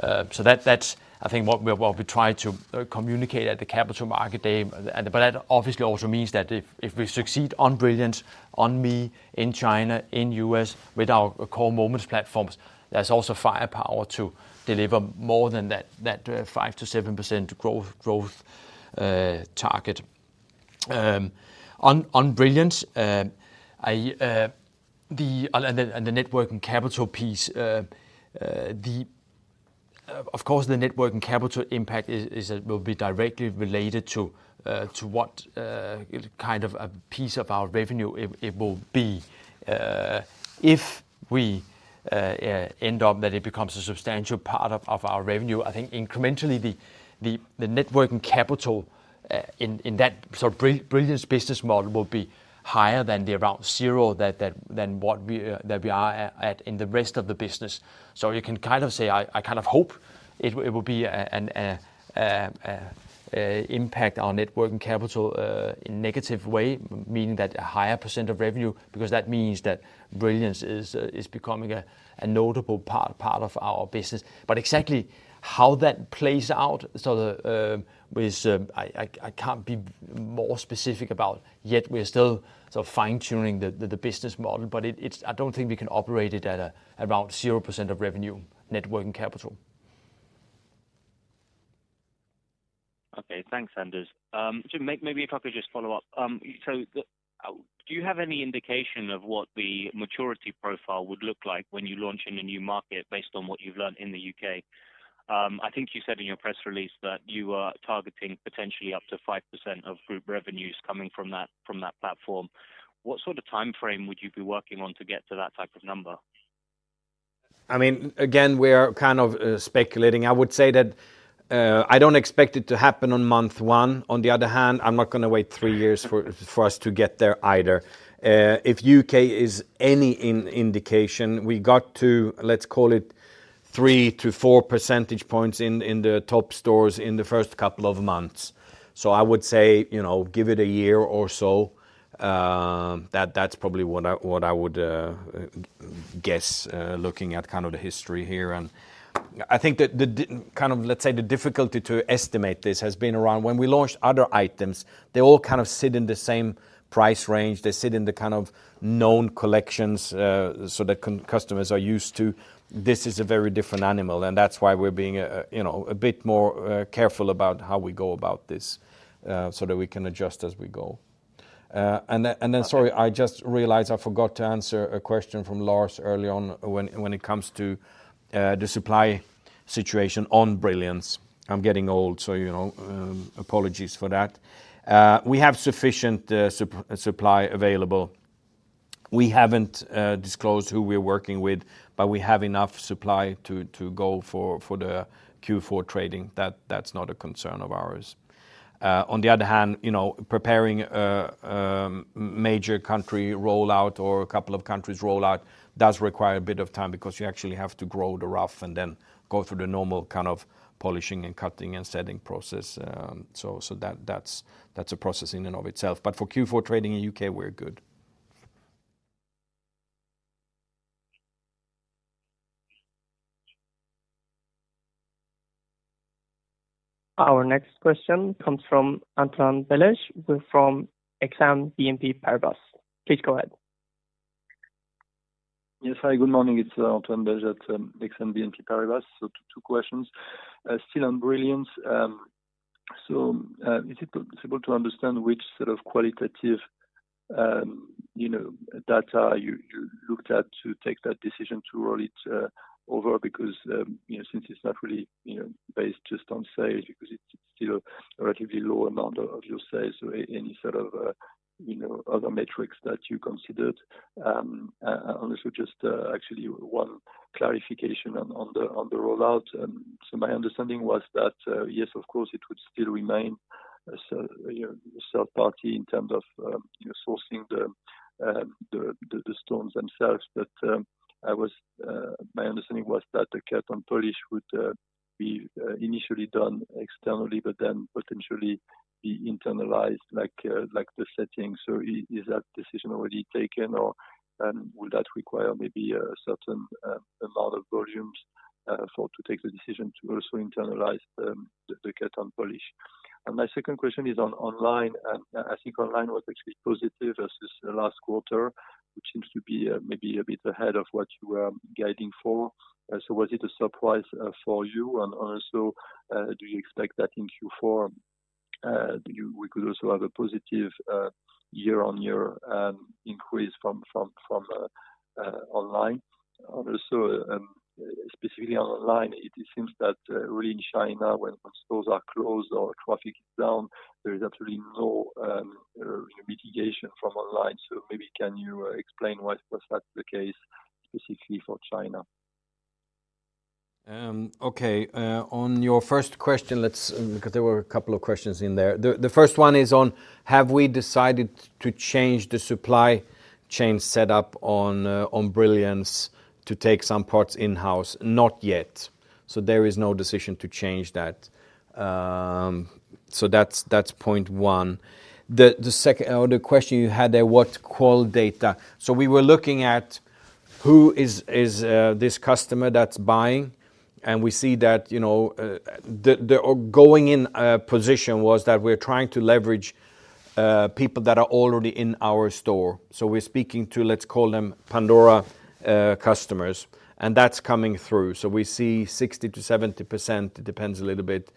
That's, I think, what we try to communicate at the Capital Markets Day. That obviously also means that if we succeed on Brilliance, on ME, in China, in U.S., with our core Moments platforms, there's also firepower to deliver more than that 5%-7% growth target. On Brilliance, the net working capital piece. Of course, the net working capital impact is will be directly related to what kind of a piece of our revenue it will be. If we end up that it becomes a substantial part of our revenue, I think incrementally, the net working capital in that Brilliance business model will be higher than the around zero than what we are at in the rest of the business. You can kind of say, I kind of hope It will be an impact on net working capital in negative way, meaning that a higher percent of revenue because that means that Brilliance is becoming a notable part of our business. But exactly how that plays out, I can't be more specific about yet. We are still sort of fine-tuning the business model, but it's I don't think we can operate it at around 0% of revenue net working capital. Okay. Thanks, Anders. If I could just follow up. Do you have any indication of what the maturity profile would look like when you launch in a new market based on what you've learned in the U.K.? I think you said in your press release that you are targeting potentially up to 5% of group revenues coming from that, from that platform. What sort of timeframe would you be working on to get to that type of number? I mean, again, we are kind of speculating. I would say that I don't expect it to happen on month one. On the other hand, I'm not gonna wait three years for us to get there either. If U.K. is any indication, we got to, let's call it, 3-4 percentage points in the top stores in the first couple of months. I would say, you know, give it a year or so, that's probably what I would guess, looking at kind of the history here. I think the kind of, let's say, the difficulty to estimate this has been around when we launched other items, they all kind of sit in the same price range. They sit in the kind of known collections, so that customers are used to. This is a very different animal, and that's why we're being, you know, a bit more careful about how we go about this, so that we can adjust as we go. Sorry, I just realized I forgot to answer a question from Lars early on when it comes to the supply situation on Brilliance. I'm getting old, so you know, apologies for that. We have sufficient supply available. We haven't disclosed who we're working with, but we have enough supply to go for the Q4 trading. That's not a concern of ours. On the other hand, you know, preparing a major country rollout or a couple of countries rollout does require a bit of time because you actually have to grow the rough and then go through the normal kind of polishing and cutting and setting process. So that's a process in and of itself. For Q4 trading in U.K., we're good. Our next question comes from Antoine Belge from Exane BNP Paribas. Please go ahead. Yes. Hi, good morning. It's Antoine Belge at Exane BNP Paribas. Two questions. Still on Brilliance. Is it possible to understand which sort of qualitative, you know, data you looked at to take that decision to roll it over? Because, you know, since it's not really, you know, based just on sales because it's still a relatively low amount of your sales or any sort of, you know, other metrics that you considered. And also just actually one clarification on the rollout. My understanding was that, yes, of course, it would still remain a separate party in terms of, you know, sourcing the stones themselves. My understanding was that the cut and polish would be initially done externally but then potentially be internalized like the setting. Is that decision already taken, or would that require maybe a certain amount of volumes for to take the decision to also internalize the cut and polish? My second question is on online. I think online was actually positive versus the last quarter, which seems to be maybe a bit ahead of what you are guiding for. So was it a surprise for you? Also, do you expect that in Q4 we could also have a positive year-on-year increase from online? Also, specifically on online, it seems that really in China when stores are closed or traffic is down, there is actually no mitigation from online. Maybe can you explain why is that the case specifically for China? Okay. On your first question, because there were a couple of questions in there. The first one is on, have we decided to change the supply chain set up on Brilliance to take some parts in-house? Not yet. There is no decision to change that. That's point one. The second. The question you had there, what qual data? We were looking at who is this customer that's buying, and we see that, you know, the going in position was that we're trying to leverage people that are already in our store. We're speaking to, let's call them Pandora customers, and that's coming through. We see 60%-70%, it depends a little bit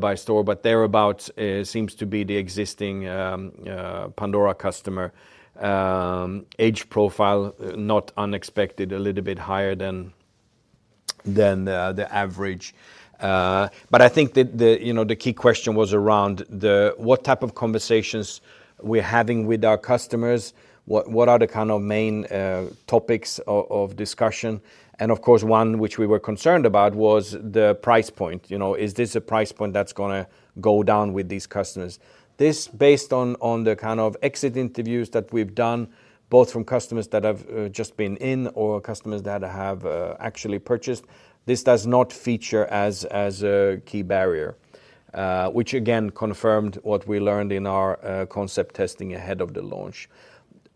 by store, but thereabout, seems to be the existing Pandora customer age profile, not unexpected, a little bit higher than the average. I think the you know the key question was around what type of conversations we're having with our customers, what are the kind of main topics of discussion? Of course, one which we were concerned about was the price point. You know, is this a price point that's gonna go down with these customers? This is based on the kind of exit interviews that we've done, both from customers that have just been in or customers that have actually purchased. This does not feature as a key barrier, which again confirmed what we learned in our concept testing ahead of the launch.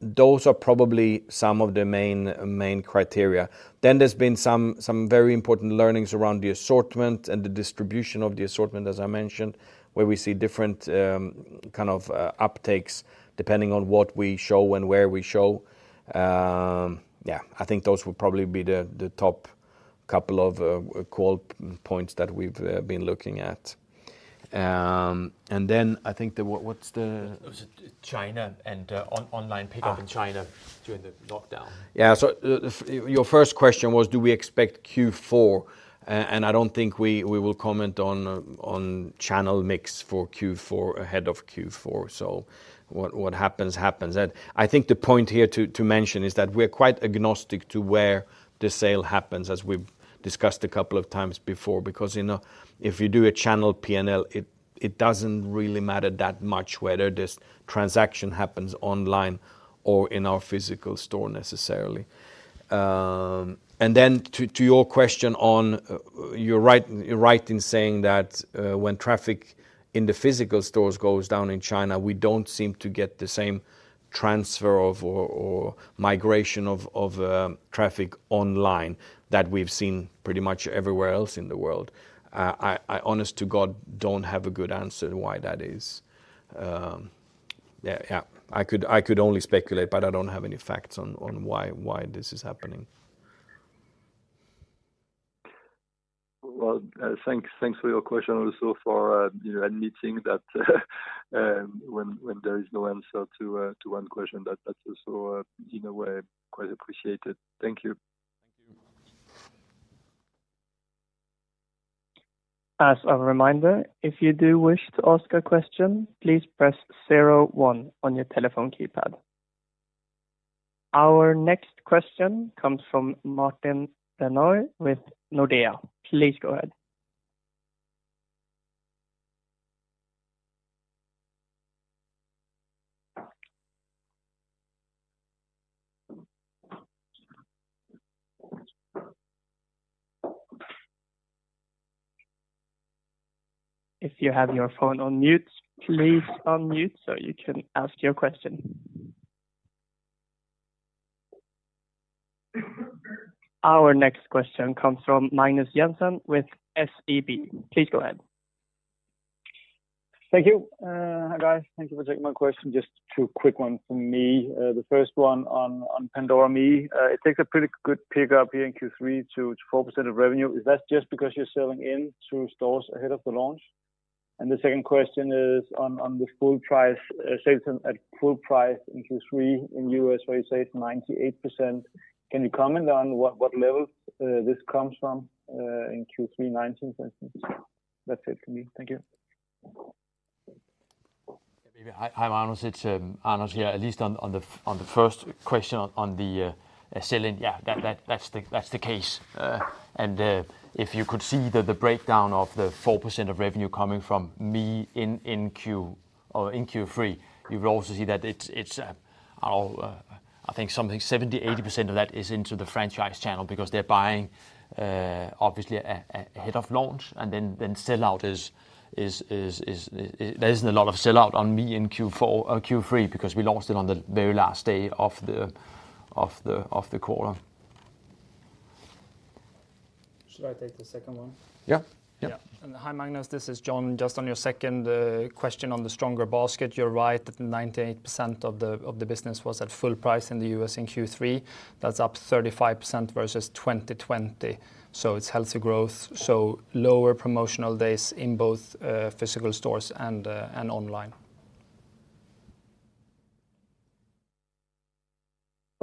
Those are probably some of the main criteria. There's been some very important learnings around the assortment and the distribution of the assortment, as I mentioned, where we see different kind of uptakes depending on what we show and where we show. Yeah, I think those would probably be the top couple of call points that we've been looking at. It was China and online pickup in China during the lockdown. Your first question was do we expect Q4? I don't think we will comment on channel mix for Q4 ahead of Q4. What happens. I think the point here to mention is that we're quite agnostic to where the sale happens, as we've discussed a couple of times before. Because, you know, if you do a channel P&L, it doesn't really matter that much whether this transaction happens online or in our physical store necessarily. Then to your question, you're right in saying that when traffic in the physical stores goes down in China, we don't seem to get the same transfer or migration of traffic online that we've seen pretty much everywhere else in the world. I honest to God don't have a good answer to why that is. I could only speculate, but I don't have any facts on why this is happening. Well, thanks for your question, also for, you know, admitting that, when there is no answer to one question. That's also in a way quite appreciated. Thank you. Thank you. As a reminder, if you do wish to ask a question, please press zero one on your telephone keypad. Our next question comes from Martin Brenøe with Nordea. Please go ahead. If you have your phone on mute, please unmute so you can ask your question. Our next question comes from Magnus Jensen with SEB. Please go ahead. Thank you. Hi, guys. Thank you for taking my question. Just two quick ones from me. The first one on Pandora ME. It takes a pretty good pickup here in Q3 to 4% of revenue. Is that just because you're sell-in through stores ahead of the launch? The second question is on the full price sales at full price in Q3 in U.S., where you say it's 98%. Can you comment on what levels this comes from in Q3 2019 for instance? That's it for me. Thank you. Maybe. Hi, Magnus. It's Anders here. At least on the first question on the sell-in. Yeah, that's the case. If you could see the breakdown of the 4% of revenue coming from ME in Q3, you will also see that it's I think something 70%-80% of that is into the franchise channel because they're buying obviously ahead of launch and then there isn't a lot of sell-out on ME in Q4 or Q3 because we launched it on the very last day of the quarter. Should I take the second one? Yeah. Yeah. Yeah. Hi, Magnus. This is John. Just on your second question on the stronger basket. You're right that 98% of the business was at full price in the U.S. in Q3. That's up 35% versus 2020. It's healthy growth. Lower promotional days in both physical stores and online.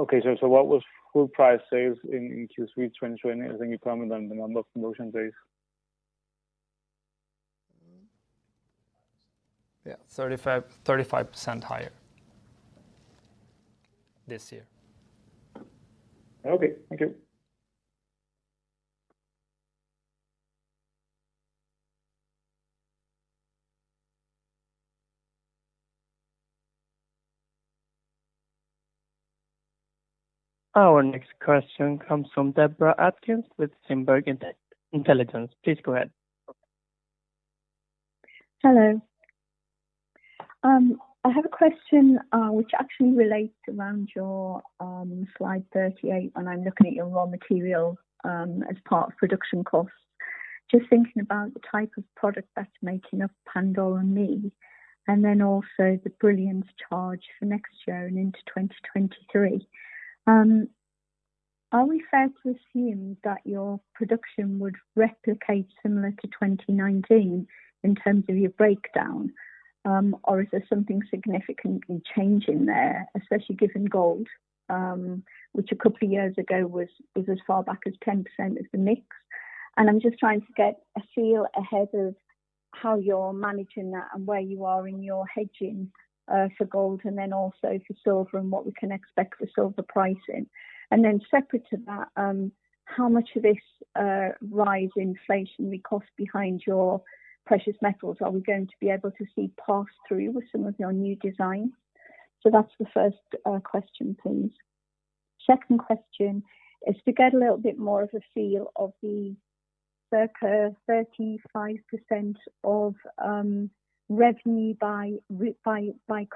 Okay. What was full price sales in Q3 2020? Anything you can comment on the number of promotion days? Yeah. 35% higher this year. Okay. Thank you. Our next question comes from Deborah Aitken with Bloomberg Intelligence. Please go ahead. Hello. I have a question, which actually relates around your slide 38, and I'm looking at your raw material as part of production costs. Just thinking about the type of product that's making up Pandora ME, and then also the Brilliance range for next year and into 2023. Are we fair to assume that your production would replicate similar to 2019 in terms of your breakdown? Or is there something significantly changing there, especially given gold, which a couple of years ago was as far back as 10% of the mix? And I'm just trying to get a feel ahead of how you're managing that and where you are in your hedging for gold and then also for silver and what we can expect for silver pricing. Then separate to that, how much of this rise in inflationary cost behind your precious metals are we going to be able to see pass through with some of your new designs? That's the first question, please. Second question is to get a little bit more of a feel of the circa 35% of revenue by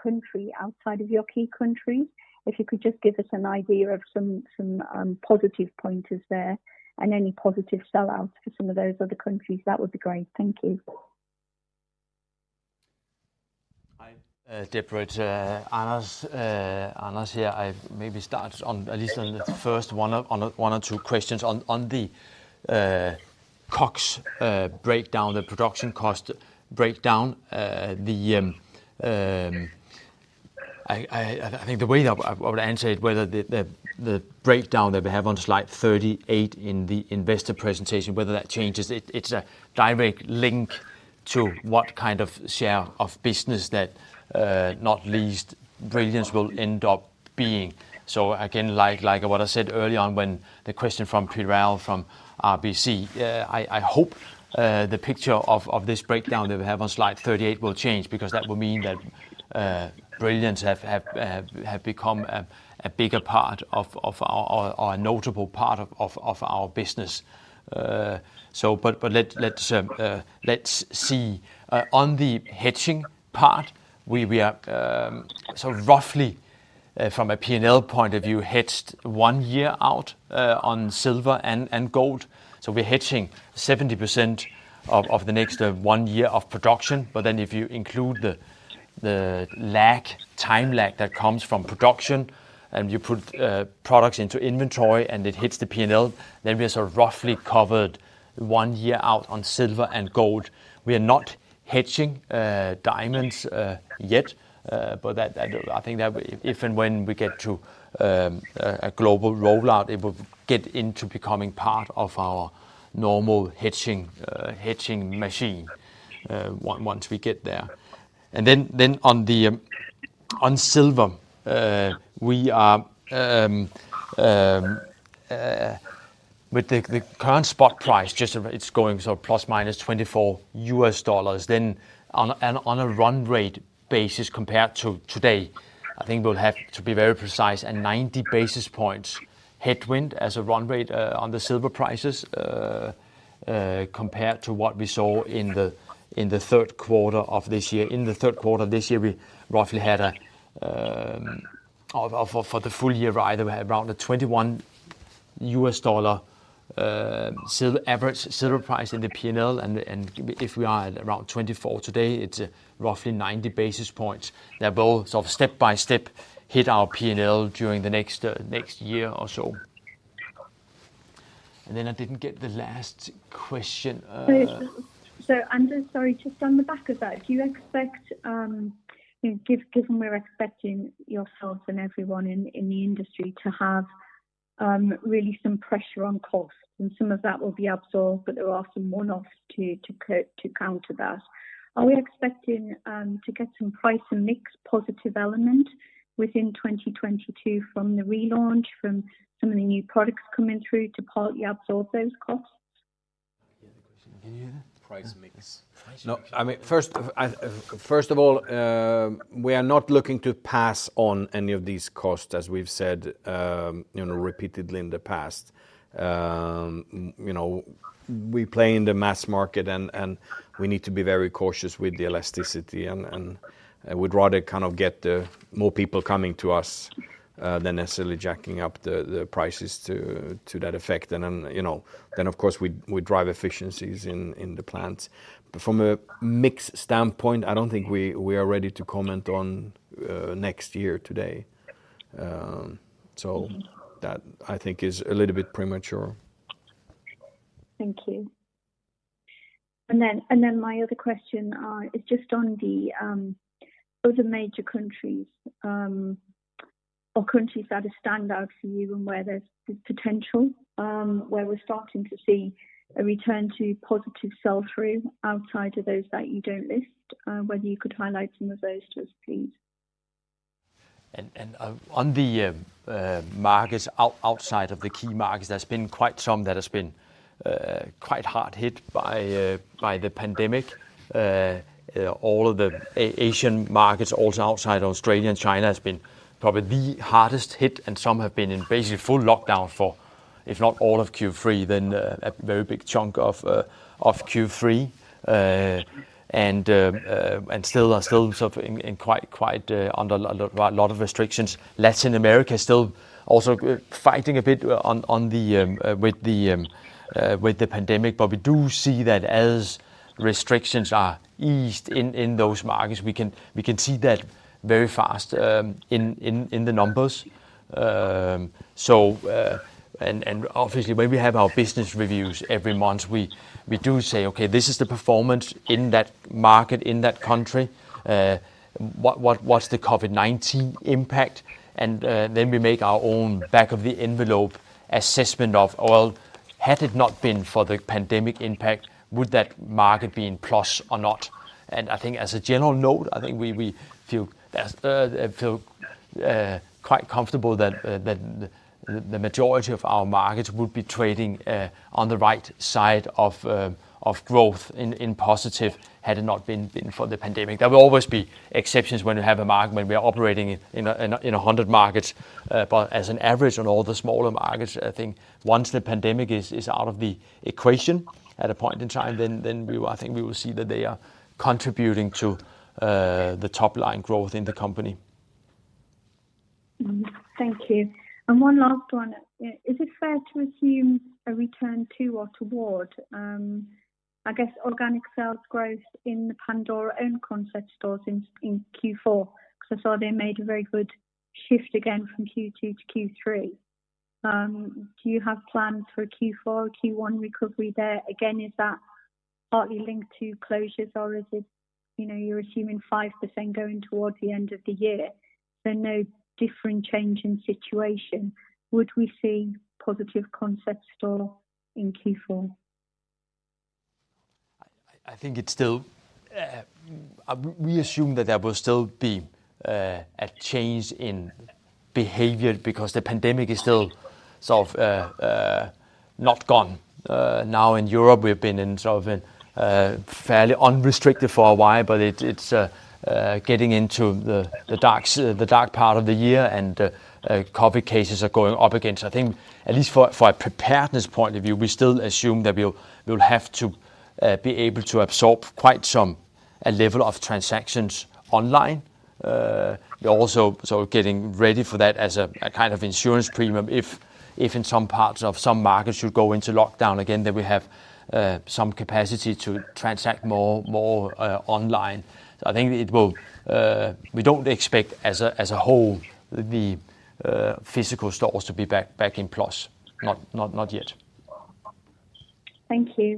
country outside of your key countries. If you could just give us an idea of some positive pointers there and any positive sell-outs for some of those other countries, that would be great. Thank you. Hi, Deborah. It's Anders here. I maybe start on at least the first one of two questions. On the COGS breakdown, the production cost breakdown, I think the way that I would answer it, whether the breakdown that we have on slide 38 in the investor presentation changes, it's a direct link to what kind of share of business that, not least Brilliance will end up being. Again, like what I said early on when the question from Piral from RBC, I hope the picture of this breakdown that we have on slide 38 will change because that will mean that, Brilliance has become a bigger part of our...or a notable part of our business. Let's see. On the hedging part, we are roughly, from a P&L point of view, hedged one year out on silver and gold. We're hedging 70% of the next one year of production. Then if you include the time lag that comes from production, and you put products into inventory, and it hits the P&L, then we're sort of roughly covered one year out on silver and gold. We are not hedging diamonds yet, but I think that if and when we get to a global rollout, it will get into becoming part of our normal hedging machine once we get there. On silver, we are with the current spot price just ±$24. On a run rate basis compared to today, I think we'll have to be very precise and 90 basis points headwind as a run rate on the silver prices compared to what we saw in the third quarter of this year. In the third quarter this year, we roughly had for the full year rather, we had around a $21 average silver price in the P&L. If we are at around $24 today, it's roughly 90 basis points that will sort of step by step hit our P&L during the next year or so. I didn't get the last question. Anders, sorry, just on the back of that, do you expect, given we're expecting yourself and everyone in the industry to have really some pressure on costs, and some of that will be absorbed, but there are some one-offs to counter that. Are we expecting to get some price and mix positive element within 2022 from the relaunch from some of the new products coming through to partly absorb those costs? Can you hear that? Price mix. Price mix. No, I mean, first of all, we are not looking to pass on any of these costs, as we've said, you know, repeatedly in the past. You know, we play in the mass market and we need to be very cautious with the elasticity and we'd rather kind of get more people coming to us than necessarily jacking up the prices to that effect. You know, of course we drive efficiencies in the plants. But from a mix standpoint, I don't think we are ready to comment on next year today. That I think is a little bit premature. Thank you. My other question is just on the other major countries or countries that stand out for you and where there's potential where we're starting to see a return to positive sell-through outside of those that you don't list, whether you could highlight some of those to us, please. On the markets outside of the key markets, there's been quite some that has been quite hard hit by the pandemic. All of the Asian markets, also outside Australia and China has been probably the hardest hit, and some have been in basically full lockdown for, if not all of Q3, then a very big chunk of Q3. Still are sort of in quite a lot of restrictions. Latin America is still also fighting a bit with the pandemic. But we do see that as restrictions are eased in those markets, we can see that very fast in the numbers. Obviously, when we have our business reviews every month, we do say, "Okay, this is the performance in that market, in that country. What's the COVID-19 impact?" Then we make our own back-of-the-envelope assessment of, "Well, had it not been for the pandemic impact, would that market be in plus or not?" I think as a general note, I think we feel quite comfortable that the majority of our markets will be trading on the right side of positive growth had it not been for the pandemic. There will always be exceptions when we are operating in 100 markets. As an average on all the smaller markets, I think once the pandemic is out of the equation at a point in time, then we will see that they are contributing to the top-line growth in the company. Thank you. One last one. Is it fair to assume a return to or toward, I guess, organic sales growth in the Pandora-owned concept stores in Q4? Because I saw they made a very good shift again from Q2 to Q3. Do you have plans for a Q4 or Q1 recovery there? Again, is that partly linked to closures or is it, you know, you're assuming 5% going towards the end of the year, so no different change in situation? Would we see positive concept store in Q4? I think it's still we assume that there will still be a change in behavior because the pandemic is still sort of not gone. Now in Europe, we've been in sort of a fairly unrestricted for a while, but it's getting into the dark part of the year and COVID-19 cases are going up again. I think at least for a preparedness point of view, we still assume that we'll have to be able to absorb quite some a level of transactions online. We're also sort of getting ready for that as a kind of insurance premium if in some parts of some markets should go into lockdown again, that we have some capacity to transact more online. I think it will. We don't expect, as a whole, the physical stores to be back in plus, not yet. Thank you.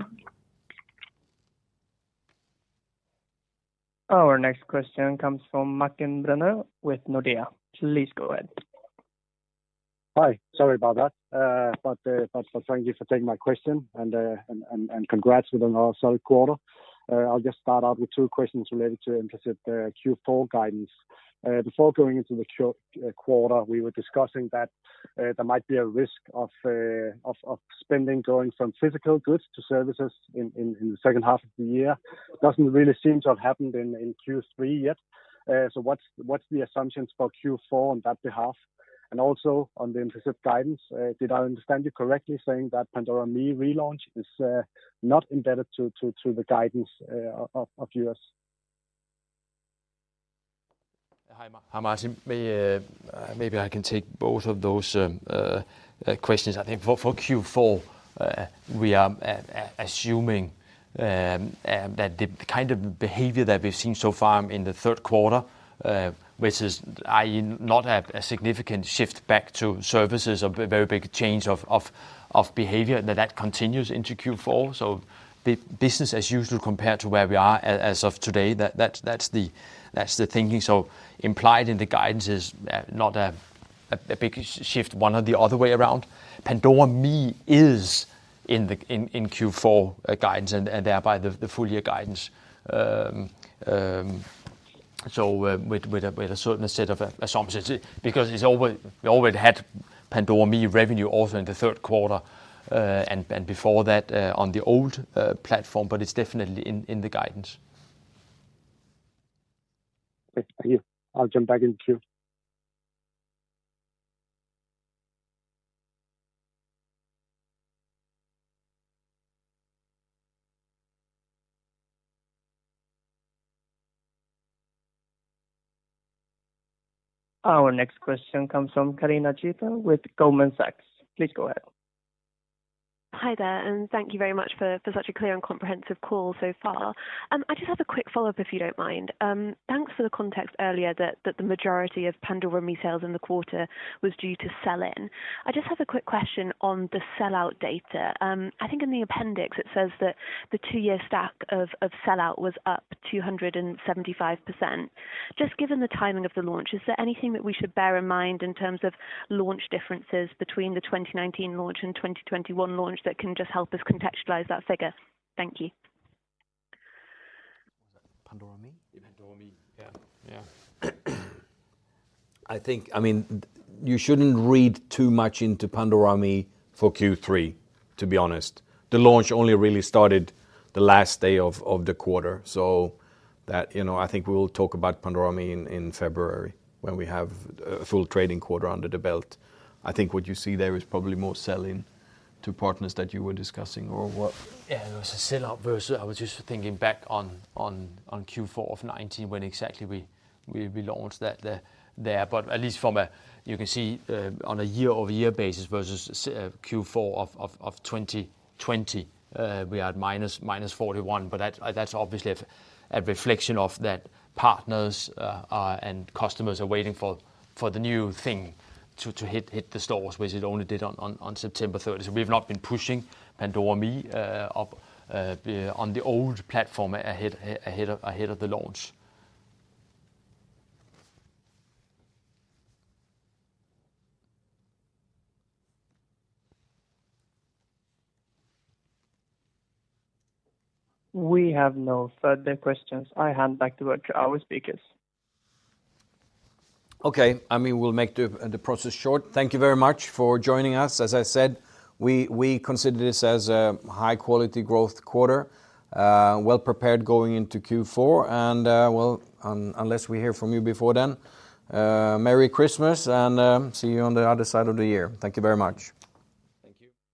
Our next question comes from Martin Brenøe with Nordea. Please go ahead. Hi. Sorry about that. But thank you for taking my question and congrats on the third quarter. I'll just start off with two questions related to implicit Q4 guidance. Before going into the quarter, we were discussing that there might be a risk of spending going from physical goods to services in the second half of the year. Doesn't really seem to have happened in Q3 yet. So what's the assumptions for Q4 on that behalf? Also on the implicit guidance, did I understand you correctly saying that Pandora ME relaunch is not embedded to the guidance of yours? Hi, Martin. Maybe I can take both of those questions. I think for Q4, we are assuming that the kind of behavior that we've seen so far in the third quarter, which is, i.e., not a significant shift back to services or a very big change of behavior, that continues into Q4. The business as usual compared to where we are as of today, that's the thinking. Implied in the guidance is not a big shift one or the other way around. Pandora ME is in the Q4 guidance and thereby the full year guidance with a certain set of assumptions, because it's always. We always had Pandora ME revenue also in the third quarter, and before that, on the old platform, but it's definitely in the guidance. Thank you. I'll jump back in the queue. Our next question comes from [Karina Shooter] with Goldman Sachs. Please go ahead. Hi there, and thank you very much for such a clear and comprehensive call so far. I just have a quick follow-up, if you don't mind. Thanks for the context earlier that the majority of Pandora ME sales in the quarter was due to sell-in. I just have a quick question on the sell-out data. I think in the appendix it says that the two-year stack of sell-out was up 275%. Just given the timing of the launch, is there anything that we should bear in mind in terms of launch differences between the 2019 launch and 2021 launch that can just help us contextualize that figure? Thank you. Pandora ME? Pandora ME. Yeah. Yeah. I think, I mean, you shouldn't read too much into Pandora ME for Q3, to be honest. The launch only really started the last day of the quarter. So that, you know, I think we'll talk about Pandora ME in February when we have a full trading quarter under the belt. I think what you see there is probably more sell-in to partners that you were discussing or what? Yeah, it was a sell-out. I was just thinking back on Q4 of 2019 when exactly we launched that there. At least you can see on a year-over-year basis versus Q4 of 2020, we are at -41%, but that's obviously a reflection that partners and customers are waiting for the new thing to hit the stores, which it only did on September 30. We've not been pushing Pandora ME up on the old platform ahead of the launch. We have no further questions. I hand back over to our speakers. Okay. I mean, we'll make the process short. Thank you very much for joining us. As I said, we consider this as a high-quality growth quarter. Well prepared going into Q4. Well, unless we hear from you before then, Merry Christmas and see you on the other side of the year. Thank you very much. Thank you.